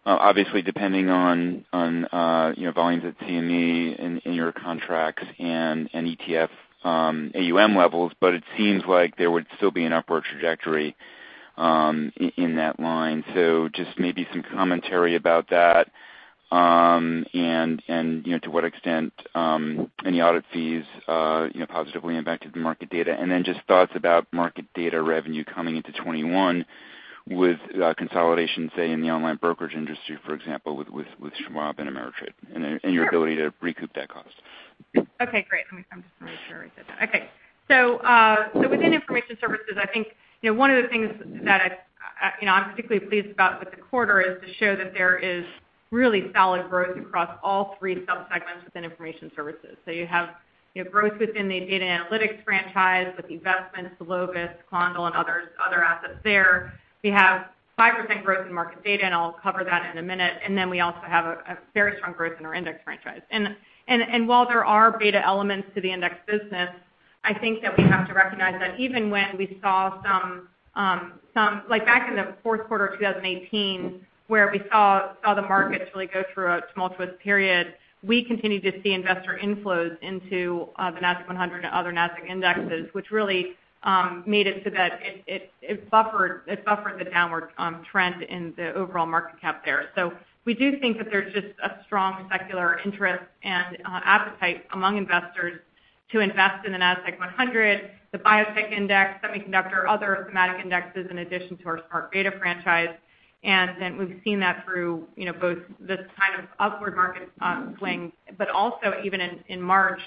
obviously depending on volumes at CME in your contracts and ETF AUM levels, but it seems like there would still be an upward trajectory in that line. Just maybe some commentary about that, and to what extent any audit fees positively impacted the market data. Just thoughts about market data revenue coming into 2021 with consolidation, say in the online brokerage industry, for example, with Schwab and Ameritrade. Sure Your ability to recoup that cost. Okay, great. Let me just make sure I said that. Okay. Within Information Services, I think one of the things that I'm particularly pleased about with the quarter is to show that there is really solid growth across all three sub-segments within Information Services. You have growth within the data analytics franchise with eVestment, Logus, Quandl, and other assets there. We have 5% growth in market data, and I'll cover that in a minute. We also have a very strong growth in our index franchise. While there are beta elements to the index business, I think that we have to recognize that even when we saw back in the fourth quarter of 2018, where we saw the markets really go through a tumultuous period, we continued to see investor inflows into the Nasdaq 100 and other Nasdaq indexes, which really made it so that it buffered the downward trend in the overall market cap there. We do think that there's just a strong secular interest and appetite among investors to invest in the Nasdaq 100, the biotech index, semiconductor, other thematic indexes in addition to our smart beta franchise. Then we've seen that through both this kind of upward market swing, but also even in March,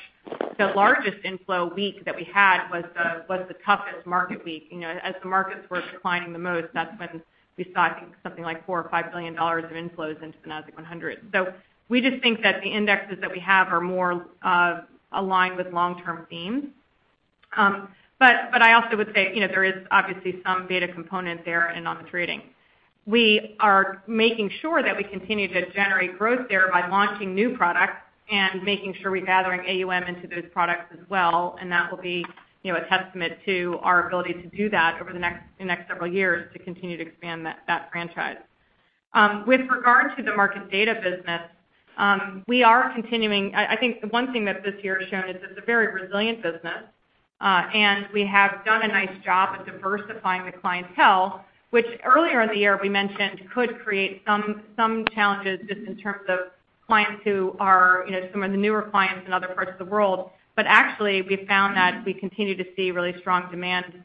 the largest inflow week that we had was the toughest market week. As the markets were declining the most, that's when we saw, I think, something like $4 or $5 billion of inflows into the Nasdaq 100. We just think that the indexes that we have are more aligned with long-term themes. I also would say, there is obviously some beta component there and on the trading. We are making sure that we continue to generate growth there by launching new products and making sure we're gathering AUM into those products as well. That will be a testament to our ability to do that over the next several years to continue to expand that franchise. With regard to the market data business, I think the one thing that this year has shown is it's a very resilient business. We have done a nice job of diversifying the clientele, which earlier in the year we mentioned could create some challenges just in terms of clients who are some of the newer clients in other parts of the world. Actually, we've found that we continue to see really strong demand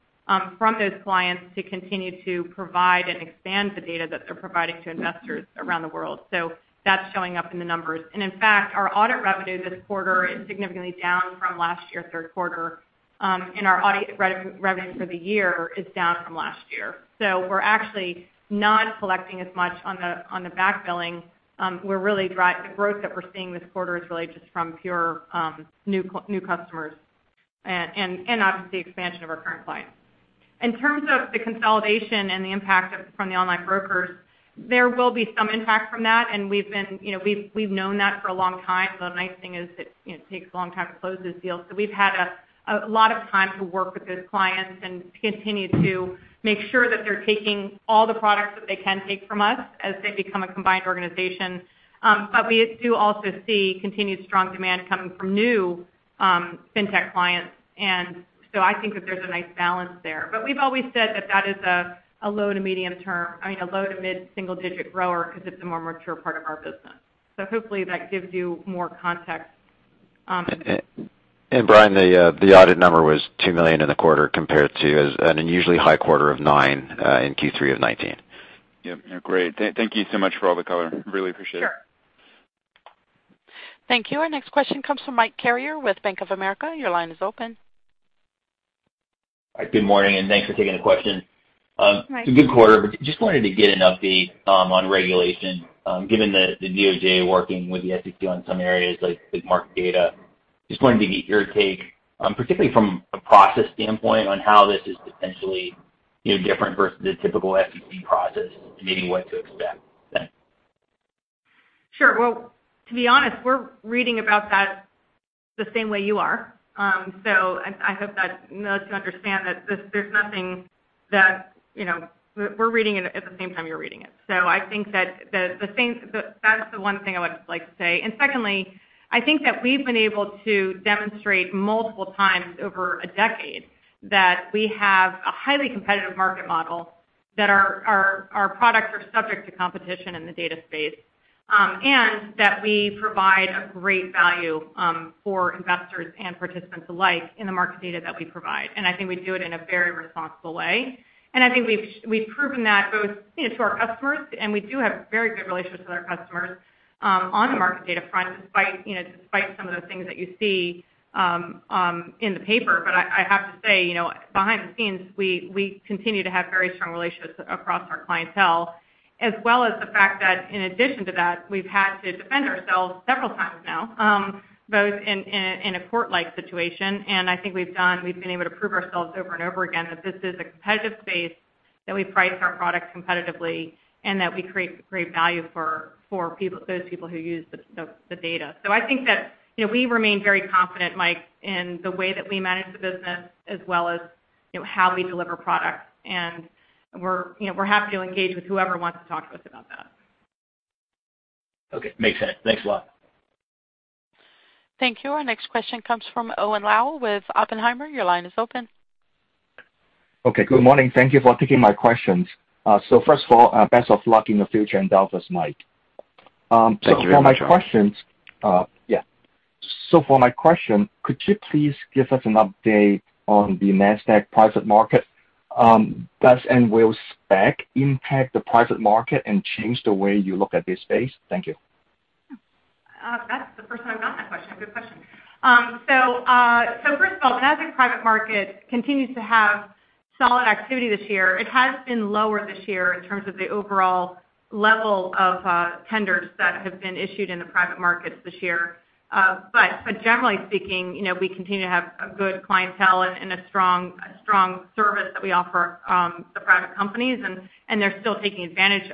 from those clients to continue to provide and expand the data that they're providing to investors around the world. That's showing up in the numbers. In fact, our audit revenue this quarter is significantly down from last year, third quarter. Our audit revenue for the year is down from last year. We're actually not collecting as much on the back billing. The growth that we're seeing this quarter is really just from pure new customers and obviously the expansion of our current clients. In terms of the consolidation and the impact from the online brokers, there will be some impact from that, and we've known that for a long time. The nice thing is it takes a long time to close this deal. We've had a lot of time to work with those clients and continue to make sure that they're taking all the products that they can take from us as they become a combined organization. We do also see continued strong demand coming from new fintech clients. I think that there's a nice balance there. We've always said that that is a low to mid-single digit grower because it's a more mature part of our business. Hopefully that gives you more context. Brian, the audit number was $2 million in the quarter compared to an unusually high quarter of $9 in Q3 of 2019. Yep, great. Thank you so much for all the color. Really appreciate it. Sure. Thank you. Our next question comes from Mike Carrier with Bank of America. Your line is open. Good morning, thanks for taking the question. Hi. It's a good quarter, but just wanted to get an update on regulation, given the DOJ working with the SEC on some areas like big market data. Just wanted to get your take, particularly from a process standpoint, on how this is potentially different versus the typical SEC process and maybe what to expect? Thanks. Sure. Well, to be honest, we're reading about that the same way you are. I hope that lets you understand that we're reading it at the same time you're reading it. I think that's the one thing I would like to say. Secondly, I think that we've been able to demonstrate multiple times over a decade that we have a highly competitive market model, that our products are subject to competition in the data space, and that we provide a great value for investors and participants alike in the market data that we provide. I think we do it in a very responsible way. I think we've proven that both to our customers, and we do have very good relationships with our customers on the market data front, despite some of the things that you see in the paper. I have to say, behind the scenes, we continue to have very strong relationships across our clientele, as well as the fact that in addition to that, we've had to defend ourselves several times now, both in a court-like situation, and I think we've been able to prove ourselves over and over again that this is a competitive space, that we price our products competitively, and that we create great value for those people who use the data. I think that we remain very confident, Mike in the way that we manage the business as well as how we deliver products. We're happy to engage with whoever wants to talk to us about that. Okay. Makes sense. Thanks a lot. Thank you. Our next question comes from Owen Lau with Oppenheimer. Your line is open. Okay, good morning. Thank you for taking my questions. First of all, best of luck in the future in Delta's Mike. Thank you very much, Owen. For my question, could you please give us an update on the Nasdaq Private Market? Does and will SPAC impact the private market and change the way you look at this space? Thank you. That's the first time I've gotten that question. Good question. First of all, Nasdaq Private Market continues to have solid activity this year. It has been lower this year in terms of the overall level of tenders that have been issued in the private markets this year. Generally speaking, we continue to have a good clientele and a strong service that we offer the private companies, and they're still taking advantage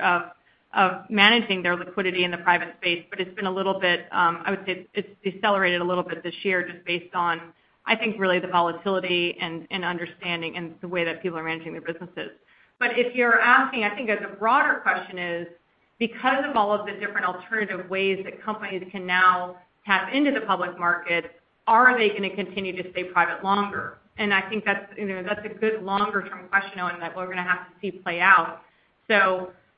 of managing their liquidity in the private space. It's been a little bit, I would say, it's decelerated a little bit this year just based on, I think, really the volatility and understanding and the way that people are managing their businesses. If you're asking, I think as a broader question is, because of all of the different alternative ways that companies can now tap into the public market, are they going to continue to stay private longer? I think that's a good longer-term question, Owen, that we're going to have to see play out.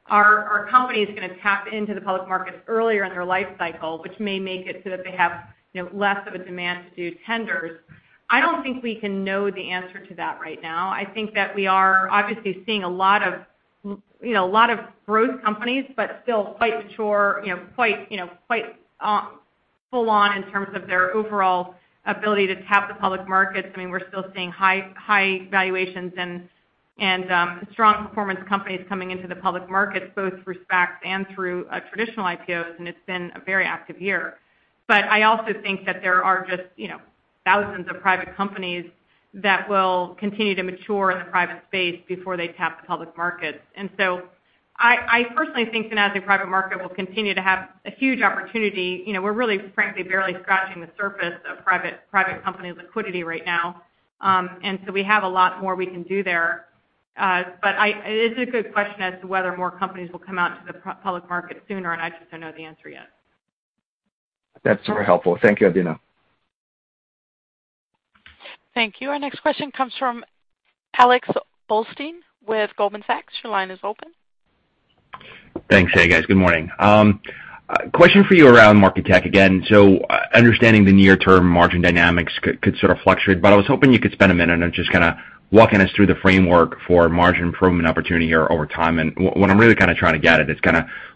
Are companies going to tap into the public markets earlier in their life cycle, which may make it so that they have less of a demand to do tenders? I don't think we can know the answer to that right now. I think that we are obviously seeing a lot of growth companies, but still quite mature, quite full on in terms of their overall ability to tap the public markets. I mean, we're still seeing high valuations and strong performance companies coming into the public markets, both through SPACs and through traditional IPOs, and it's been a very active year. I also think that there are just thousands of private companies that will continue to mature in the private space before they tap the public markets. I personally think the Nasdaq Private Market will continue to have a huge opportunity. We're really, frankly, barely scratching the surface of private company liquidity right now. We have a lot more we can do there. It is a good question as to whether more companies will come out to the public market sooner, and I just don't know the answer yet. That's very helpful. Thank you, Adena. Thank you. Our next question comes from Alex Blostein with Goldman Sachs. Your line is open. Thanks. Hey, guys. Good morning. Question for you around Market Tech again. Understanding the near-term margin dynamics could sort of fluctuate, but I was hoping you could spend a minute on just kind of walking us through the framework for margin improvement opportunity here over time. What I'm really kind of trying to get at is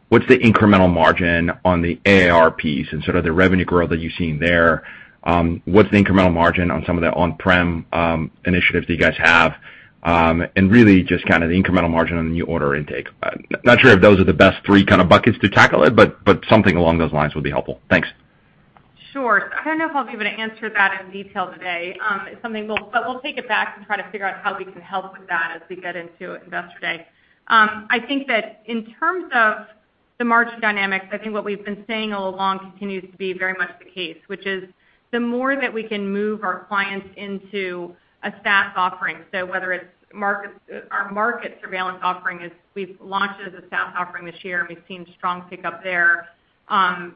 what's the incremental margin on the ARR piece and sort of the revenue growth that you've seen there? What's the incremental margin on some of the on-prem initiatives that you guys have? Really just kind of the incremental margin on the new order intake. Not sure if those are the best three kind of buckets to tackle it, but something along those lines would be helpful. Thanks. Sure. I don't know if I'll be able to answer that in detail today. It's something we'll take it back and try to figure out how we can help with that as we get into Investor Day. I think that in terms of the margin dynamics, I think what we've been saying all along continues to be very much the case, which is the more that we can move our clients into a SaaS offering, so whether it's our market surveillance offering is we've launched as a SaaS offering this year, we've seen strong pickup there. Our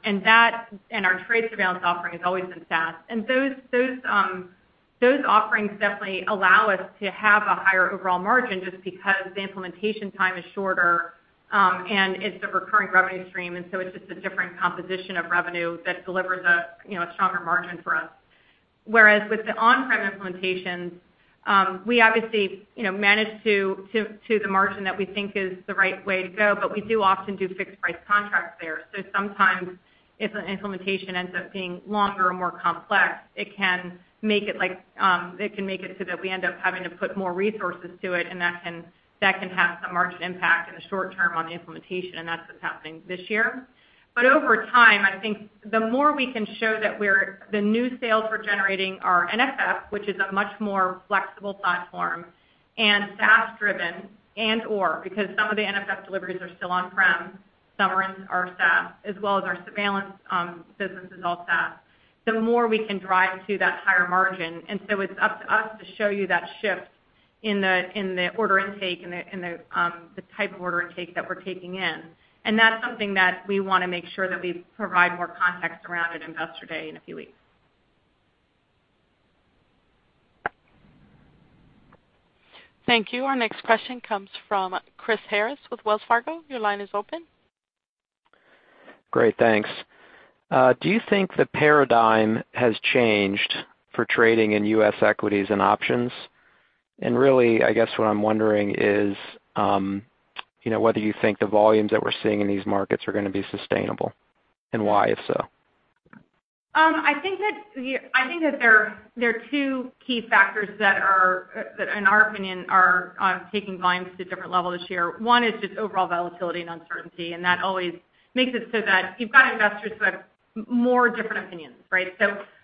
trade surveillance offering has always been SaaS. Those offerings definitely allow us to have a higher overall margin just because the implementation time is shorter, and it's a recurring revenue stream. It's just a different composition of revenue that delivers a stronger margin for us. With the on-prem implementations, we obviously manage to the margin that we think is the right way to go, but we do often do fixed price contracts there. Sometimes if an implementation ends up being longer or more complex, it can make it so that we end up having to put more resources to it, and that can have some margin impact in the short term on the implementation, and that's what's happening this year. Over time, I think the more we can show that the new sales we're generating are NFF, which is a much more flexible platform, and SaaS driven, and/or, because some of the NFF deliveries are still on-prem, some are in our SaaS, as well as our surveillance business is all SaaS. The more we can drive to that higher margin. It's up to us to show you that shift in the order intake and the type of order intake that we're taking in. That's something that we want to make sure that we provide more context around at Investor Day in a few weeks. Thank you. Our next question comes from Chris Harris with Wells Fargo. Your line is open. Great, thanks. Do you think the paradigm has changed for trading in U.S. equities and options? Really, I guess what I'm wondering is whether you think the volumes that we're seeing in these markets are going to be sustainable, and why, if so? I think that there are two key factors that in our opinion, are taking volumes to a different level this year. One is just overall volatility and uncertainty, that always makes it so that you've got investors who have more different opinions, right?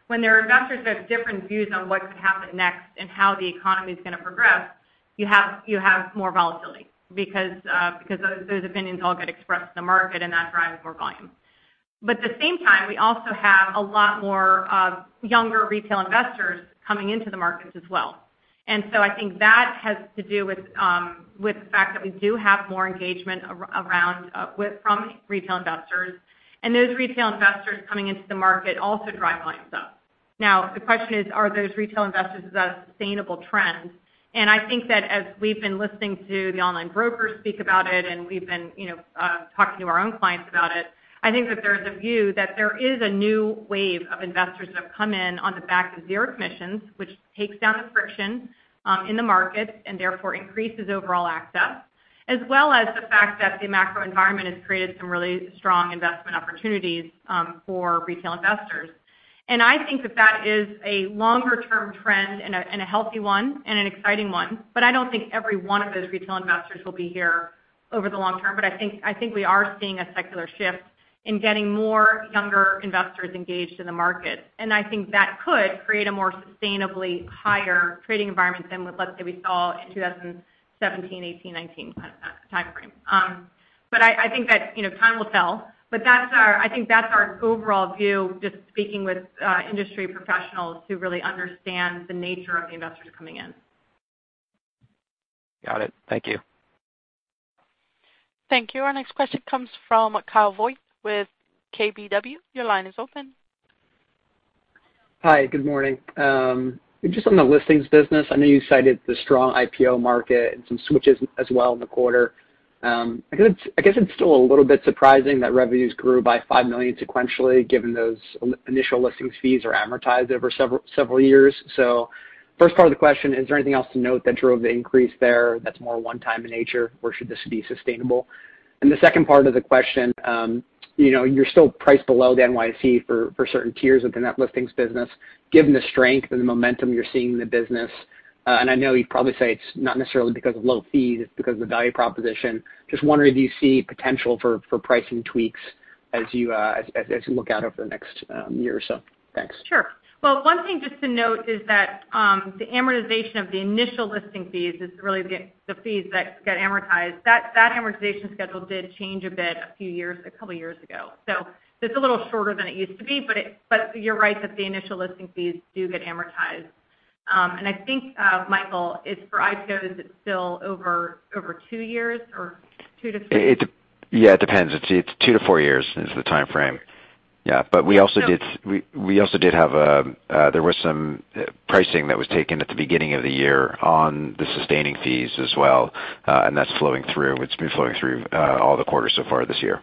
When there are investors who have different views on what could happen next and how the economy's going to progress, you have more volatility because those opinions all get expressed in the market, and that drives more volume. At the same time, we also have a lot more younger retail investors coming into the markets as well. I think that has to do with the fact that we do have more engagement from retail investors, and those retail investors coming into the market also drive volumes up. The question is, are those retail investors a sustainable trend? I think that as we've been listening to the online brokers speak about it, and we've been talking to our own clients about it, I think that there's a view that there is a new wave of investors that have come in on the back of zero commissions, which takes down the friction in the market, and therefore increases overall access. As well as the fact that the macro environment has created some really strong investment opportunities for retail investors. I think that that is a longer-term trend and a healthy one and an exciting one. I don't think every one of those retail investors will be here over the long term. I think we are seeing a secular shift in getting more younger investors engaged in the market. I think that could create a more sustainably higher trading environment than let's say we saw in 2017, '18, '19 timeframe. I think that time will tell, but I think that's our overall view, just speaking with industry professionals who really understand the nature of the investors coming in. Got it. Thank you. Thank you. Our next question comes from Kyle Voigt with KBW. Your line is open. Hi, good morning. Just on the listings business, I know you cited the strong IPO market and some switches as well in the quarter. I guess it's still a little bit surprising that revenues grew by $5 million sequentially, given those initial listings fees are amortized over several years. First part of the question, is there anything else to note that drove the increase there that's more one time in nature, or should this be sustainable? The second part of the question, you're still priced below the NYSE for certain tiers of the net listings business, given the strength and the momentum you're seeing in the business. I know you'd probably say it's not necessarily because of low fees, it's because of the value proposition. Just wondering if you see potential for pricing tweaks as you look out over the next year or so. Thanks. Sure. Well, one thing just to note is that the amortization of the initial listing fees is really the fees that get amortized. That amortization schedule did change a bit a couple of years ago. It's a little shorter than it used to be, but you're right that the initial listing fees do get amortized. I think, Michael, it's for IPOs, it's still over two years. Yeah, it depends. Two to four years is the timeframe. Yeah, there was some pricing that was taken at the beginning of the year on the sustaining fees as well. That's flowing through. It's been flowing through all the quarters so far this year.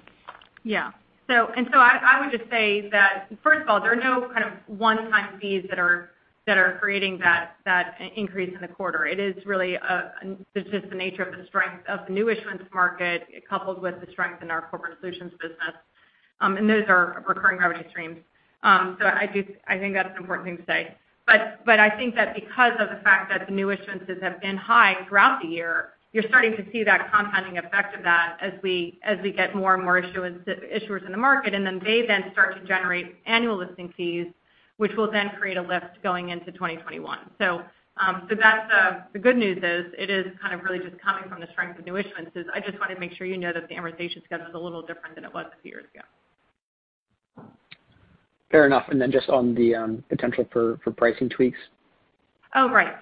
Yeah. I would just say that, first of all, there are no kind of one-time fees that are creating that increase in the quarter. It is really just the nature of the strength of the new issuance market coupled with the strength in our corporate solutions business. Those are recurring revenue streams. I think that's an important thing to say. I think that because of the fact that the new issuances have been high throughout the year, you're starting to see that compounding effect of that as we get more and more issuers in the market, and then they then start to generate annual listing fees, which will then create a lift going into 2021. The good news is it is kind of really just coming from the strength of new issuances. I just want to make sure you know that the amortization schedule is a little different than it was a few years ago. Fair enough. Just on the potential for pricing tweaks. Oh, right.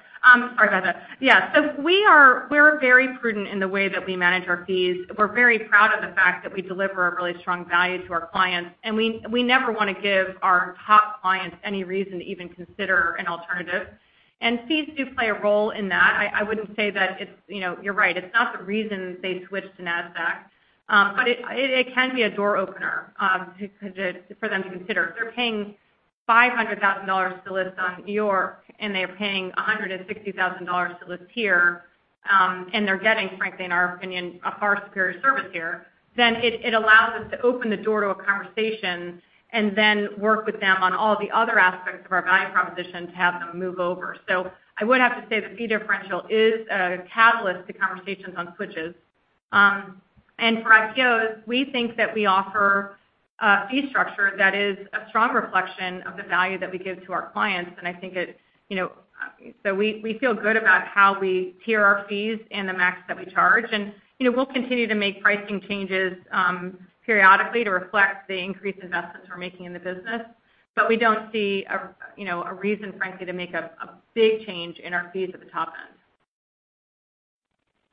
Sorry about that. Yeah. We're very prudent in the way that we manage our fees. We're very proud of the fact that we deliver a really strong value to our clients, and we never want to give our top clients any reason to even consider an alternative. Fees do play a role in that. You're right, it's not the reason they switched to Nasdaq, but it can be a door opener for them to consider. If they're paying $500,000 to list on NYSE, and they're paying $160,000 to list here, and they're getting, frankly, in our opinion, a far superior service here, then it allows us to open the door to a conversation and then work with them on all the other aspects of our value proposition to have them move over. I would have to say the fee differential is a catalyst to conversations on switches. For IPOs, we think that we offer a fee structure that is a strong reflection of the value that we give to our clients. We feel good about how we tier our fees and the max that we charge. We'll continue to make pricing changes periodically to reflect the increased investments we're making in the business. We don't see a reason, frankly, to make a big change in our fees at the top end.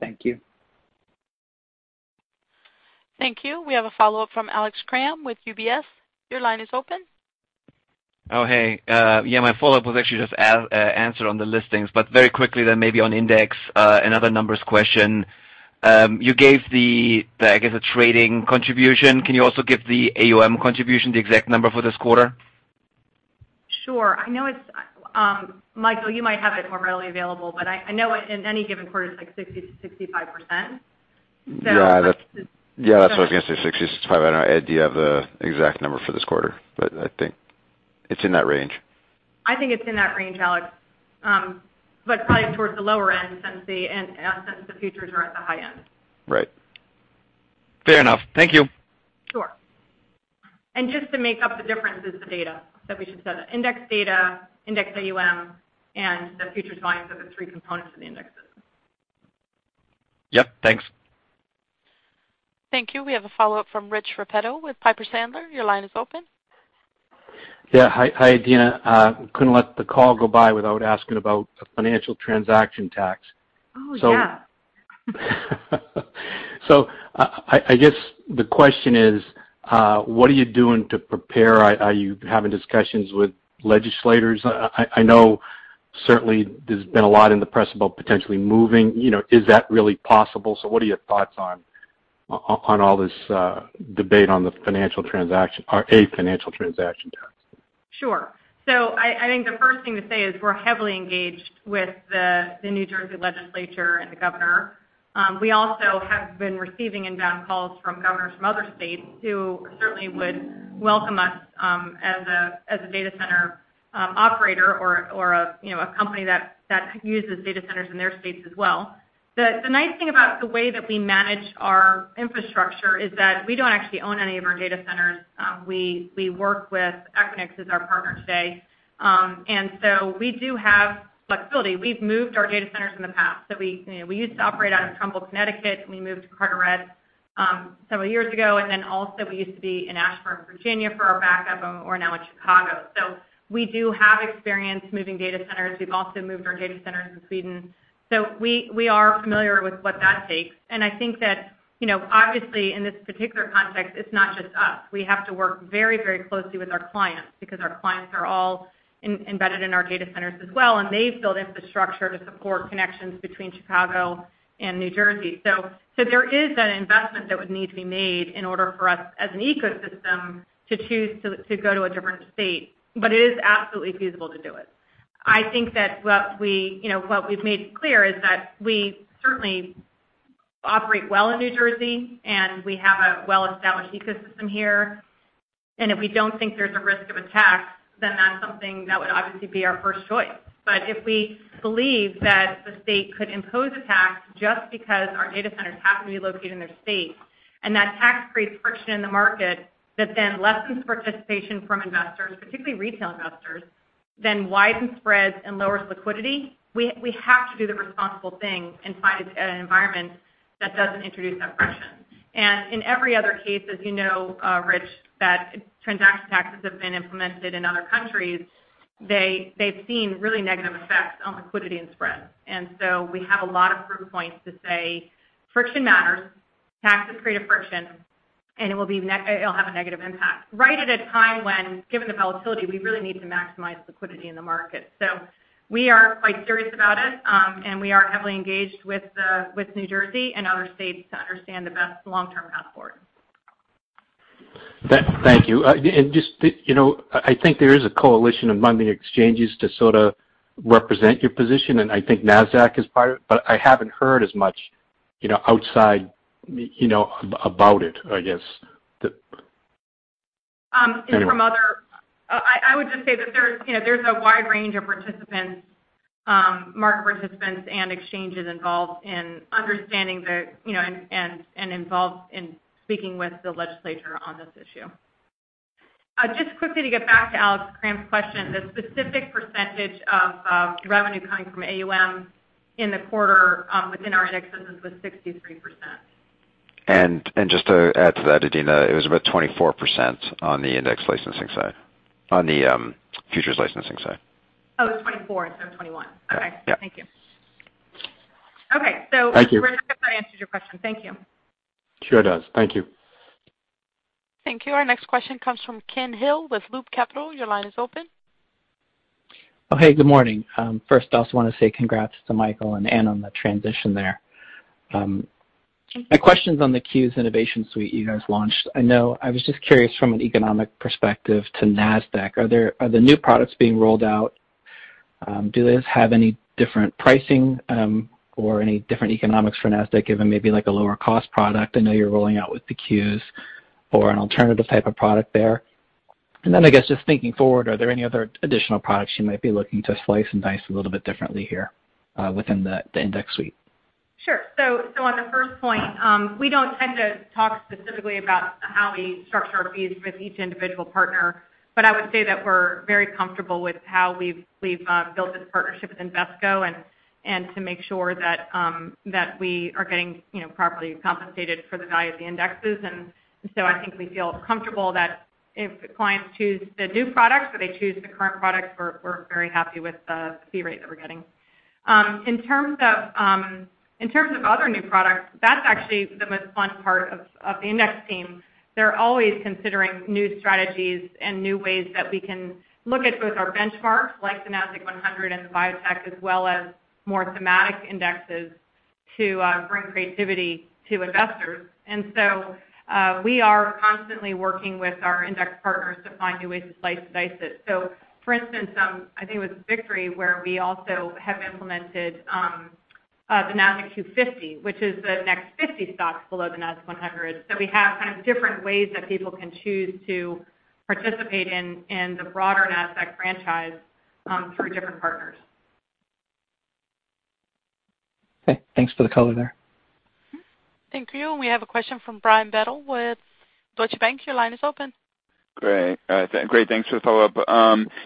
Thank you. Thank you. We have a follow-up from Alex Kramm with UBS. Your line is open. Oh, hey. Yeah, my follow-up was actually just answered on the listings, but very quickly then maybe on index, another numbers question. You gave the, I guess, a trading contribution. Can you also give the AUM contribution, the exact number for this quarter? Sure. Michael, you might have it more readily available, but I know in any given quarter, it's like 60%-65%. Yeah, that's what I was going to say, 60%, 65%. I don't know, Ed, do you have the exact number for this quarter? I think it's in that range. I think it's in that range, Alex. Probably towards the lower end since the futures are at the high end. Right. Fair enough. Thank you. Sure. Just to make up the difference is the data that we just said. Index data, index AUM, and the futures volumes are the three components of the indexes. Yep. Thanks. Thank you. We have a follow-up from Rich Repetto with Piper Sandler. Your line is open. Yeah. Hi, Adena. Couldn't let the call go by without asking about the financial transaction tax. Oh, yeah. I guess the question is, what are you doing to prepare? Are you having discussions with legislators? I know certainly there's been a lot in the press about potentially moving. Is that really possible? What are your thoughts on all this debate on a financial transaction tax? Sure. I think the first thing to say is we're heavily engaged with the New Jersey legislature and the governor. We also have been receiving inbound calls from governors from other states who certainly would welcome us as a data center operator or a company that uses data centers in their states as well. The nice thing about the way that we manage our infrastructure is that we don't actually own any of our data centers. Equinix is our partner today. So we do have flexibility. We've moved our data centers in the past. We used to operate out of Trumbull, Connecticut, and we moved to Carteret several years ago. Also we used to be in Ashburn, Virginia for our backup, and we're now in Chicago. We do have experience moving data centers. We've also moved our data centers in Sweden. We are familiar with what that takes. I think that obviously in this particular context, it's not just us. We have to work very closely with our clients because our clients are all embedded in our data centers as well, and they've built infrastructure to support connections between Chicago and New Jersey. There is an investment that would need to be made in order for us, as an ecosystem, to choose to go to a different state. It is absolutely feasible to do it. I think that what we've made clear is that we certainly operate well in New Jersey, and we have a well-established ecosystem here. If we don't think there's a risk of a tax, then that's something that would obviously be our first choice. If we believe that the state could impose a tax just because our data centers happen to be located in their state, and that tax creates friction in the market that then lessens participation from investors, particularly retail investors, then widens spreads and lowers liquidity, we have to do the responsible thing and find an environment that doesn't introduce that friction. In every other case, as you know, Rich, that transaction taxes have been implemented in other countries. They've seen really negative effects on liquidity and spreads. We have a lot of proof points to say friction matters, taxes create a friction, and it'll have a negative impact right at a time when, given the volatility, we really need to maximize liquidity in the market. We are quite serious about it. We are heavily engaged with New Jersey and other states to understand the best long-term path forward. Thank you. I think there is a coalition among the exchanges to sort of represent your position, and I think Nasdaq is part of it, but I haven't heard as much outside about it, I guess. Anyway. I would just say that there's a wide range of market participants and exchanges involved in understanding and involved in speaking with the legislature on this issue. Just quickly to get back to Alex Kramm's question, the specific percentage of revenue coming from AUM in the quarter within our indexes was 63%. Just to add to that, Adena, it was about 24% on the index licensing side, on the futures licensing side. Oh, 24% instead of 21%. Okay. Yeah. Thank you. Okay. Thank you. Rich, I hope that answers your question. Thank you. Sure does. Thank you. Thank you. Our next question comes from Ken Hill with Loop Capital. Your line is open. Oh, hey, good morning. First, I also want to say congrats to Michael and Ann on the transition there. Thank you. My question's on the Qs Innovation Suite you guys launched. I was just curious from an economic perspective to Nasdaq, are the new products being rolled out, do those have any different pricing, or any different economics for Nasdaq, given maybe like a lower cost product? I know you're rolling out with the Qs or an alternative type of product there. I guess just thinking forward, are there any other additional products you might be looking to slice and dice a little bit differently here, within the index suite? Sure. On the first point, we don't tend to talk specifically about how we structure our fees with each individual partner, but I would say that we're very comfortable with how we've built this partnership with Invesco, and to make sure that we are getting properly compensated for the value of the indexes. I think we feel comfortable that if the clients choose the new products or they choose the current products, we're very happy with the fee rate that we're getting. In terms of other new products, that's actually the most fun part of the index team. They're always considering new strategies and new ways that we can look at both our benchmarks, like the Nasdaq 100 and the Biotech, as well as more thematic indexes to bring creativity to investors. We are constantly working with our index partners to find new ways to slice and dice it. For instance, I think it was Victory where we also have implemented the Nasdaq Q-50, which is the next 50 stocks below the Nasdaq 100. We have kind of different ways that people can choose to participate in the broader Nasdaq franchise through different partners. Okay. Thanks for the color there. Thank you. We have a question from Brian Bedell with Deutsche Bank. Your line is open. Great. Thanks for the follow-up.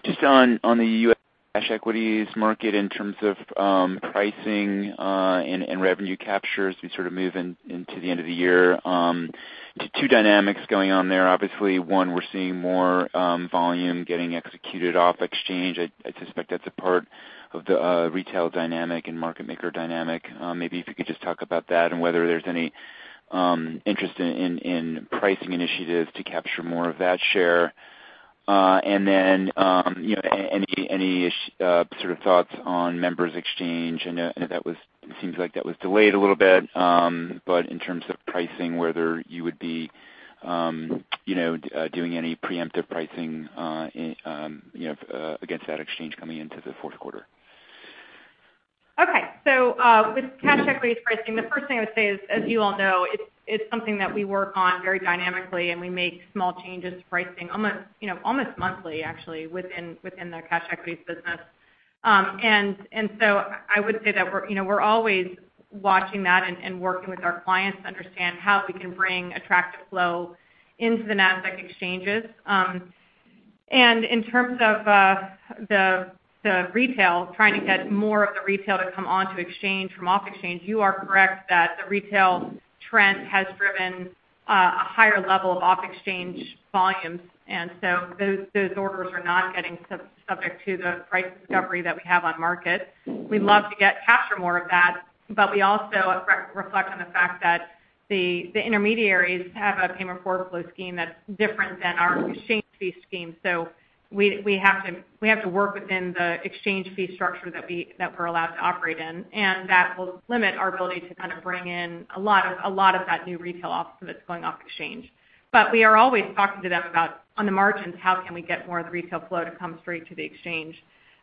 Just on the U.S. cash equities market in terms of pricing and revenue captures, we sort of move into the end of the year, two dynamics going on there. Obviously, one, we're seeing more volume getting executed off exchange. I suspect that's a part of the retail dynamic and market maker dynamic. Maybe if you could just talk about that and whether there's any interest in pricing initiatives to capture more of that share. Any sort of thoughts on MEMX? I know it seems like that was delayed a little bit, but in terms of pricing, whether you would be doing any preemptive pricing against that exchange coming into the fourth quarter. Okay. With cash equities pricing, the first thing I would say is, as you all know, it's something that we work on very dynamically, and we make small changes to pricing almost monthly, actually, within the cash equities business. I would say that we're always watching that and working with our clients to understand how we can bring attractive flow into the Nasdaq exchanges. In terms of the retail, trying to get more of the retail to come onto exchange from off exchange, you are correct that the retail trend has driven a higher level of off-exchange volumes, and so those orders are not getting subject to the price discovery that we have on market. We'd love to capture more of that, but we also reflect on the fact that the intermediaries have a payment for flow scheme that's different than our exchange fee scheme. We have to work within the exchange fee structure that we're allowed to operate in, and that will limit our ability to kind of bring in a lot of that new retail off that's going off exchange. We are always talking to them about, on the margins, how can we get more of the retail flow to come straight to the exchange?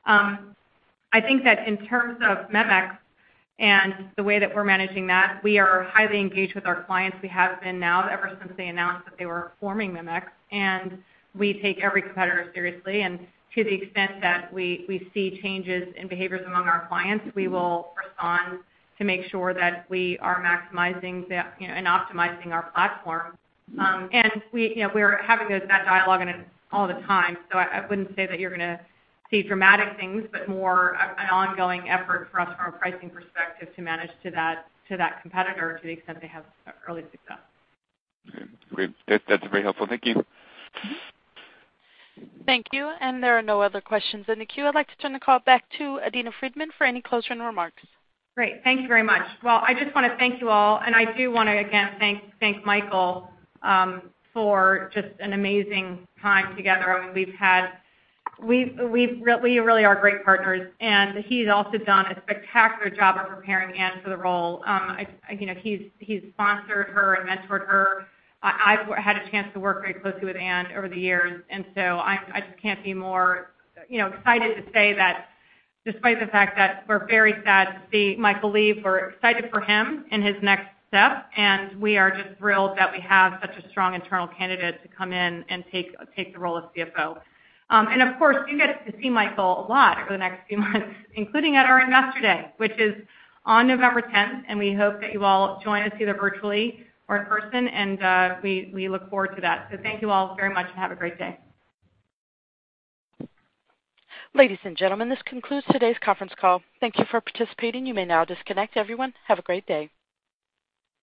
I think that in terms of MEMX and the way that we're managing that, we are highly engaged with our clients. We have been now ever since they announced that they were forming MEMX, and we take every competitor seriously. To the extent that we see changes in behaviors among our clients, we will respond to make sure that we are maximizing and optimizing our platform. We are having that dialogue all the time, so I wouldn't say that you're going to see dramatic things, but more an ongoing effort for us from a pricing perspective to manage to that competitor to the extent they have early success. Okay, great. That's very helpful. Thank you. Thank you. There are no other questions in the queue. I'd like to turn the call back to Adena Friedman for any closing remarks. Great. Thank you very much. I just want to thank you all, and I do want to, again, thank Michael for just an amazing time together. We really are great partners, and he's also done a spectacular job of preparing Ann for the role. He's sponsored her and mentored her. I've had a chance to work very closely with Ann over the years. I just can't be more excited to say that despite the fact that we're very sad to see Michael leave, we're excited for him and his next step, and we are just thrilled that we have such a strong internal candidate to come in and take the role of CFO. Of course, you get to see Michael a lot over the next few months, including at our Investor Day, which is on November 10th, and we hope that you all join us either virtually or in person, and we look forward to that. Thank you all very much and have a great day. Ladies and gentlemen, this concludes today's conference call. Thank you for participating. You may now disconnect. Everyone, have a great day.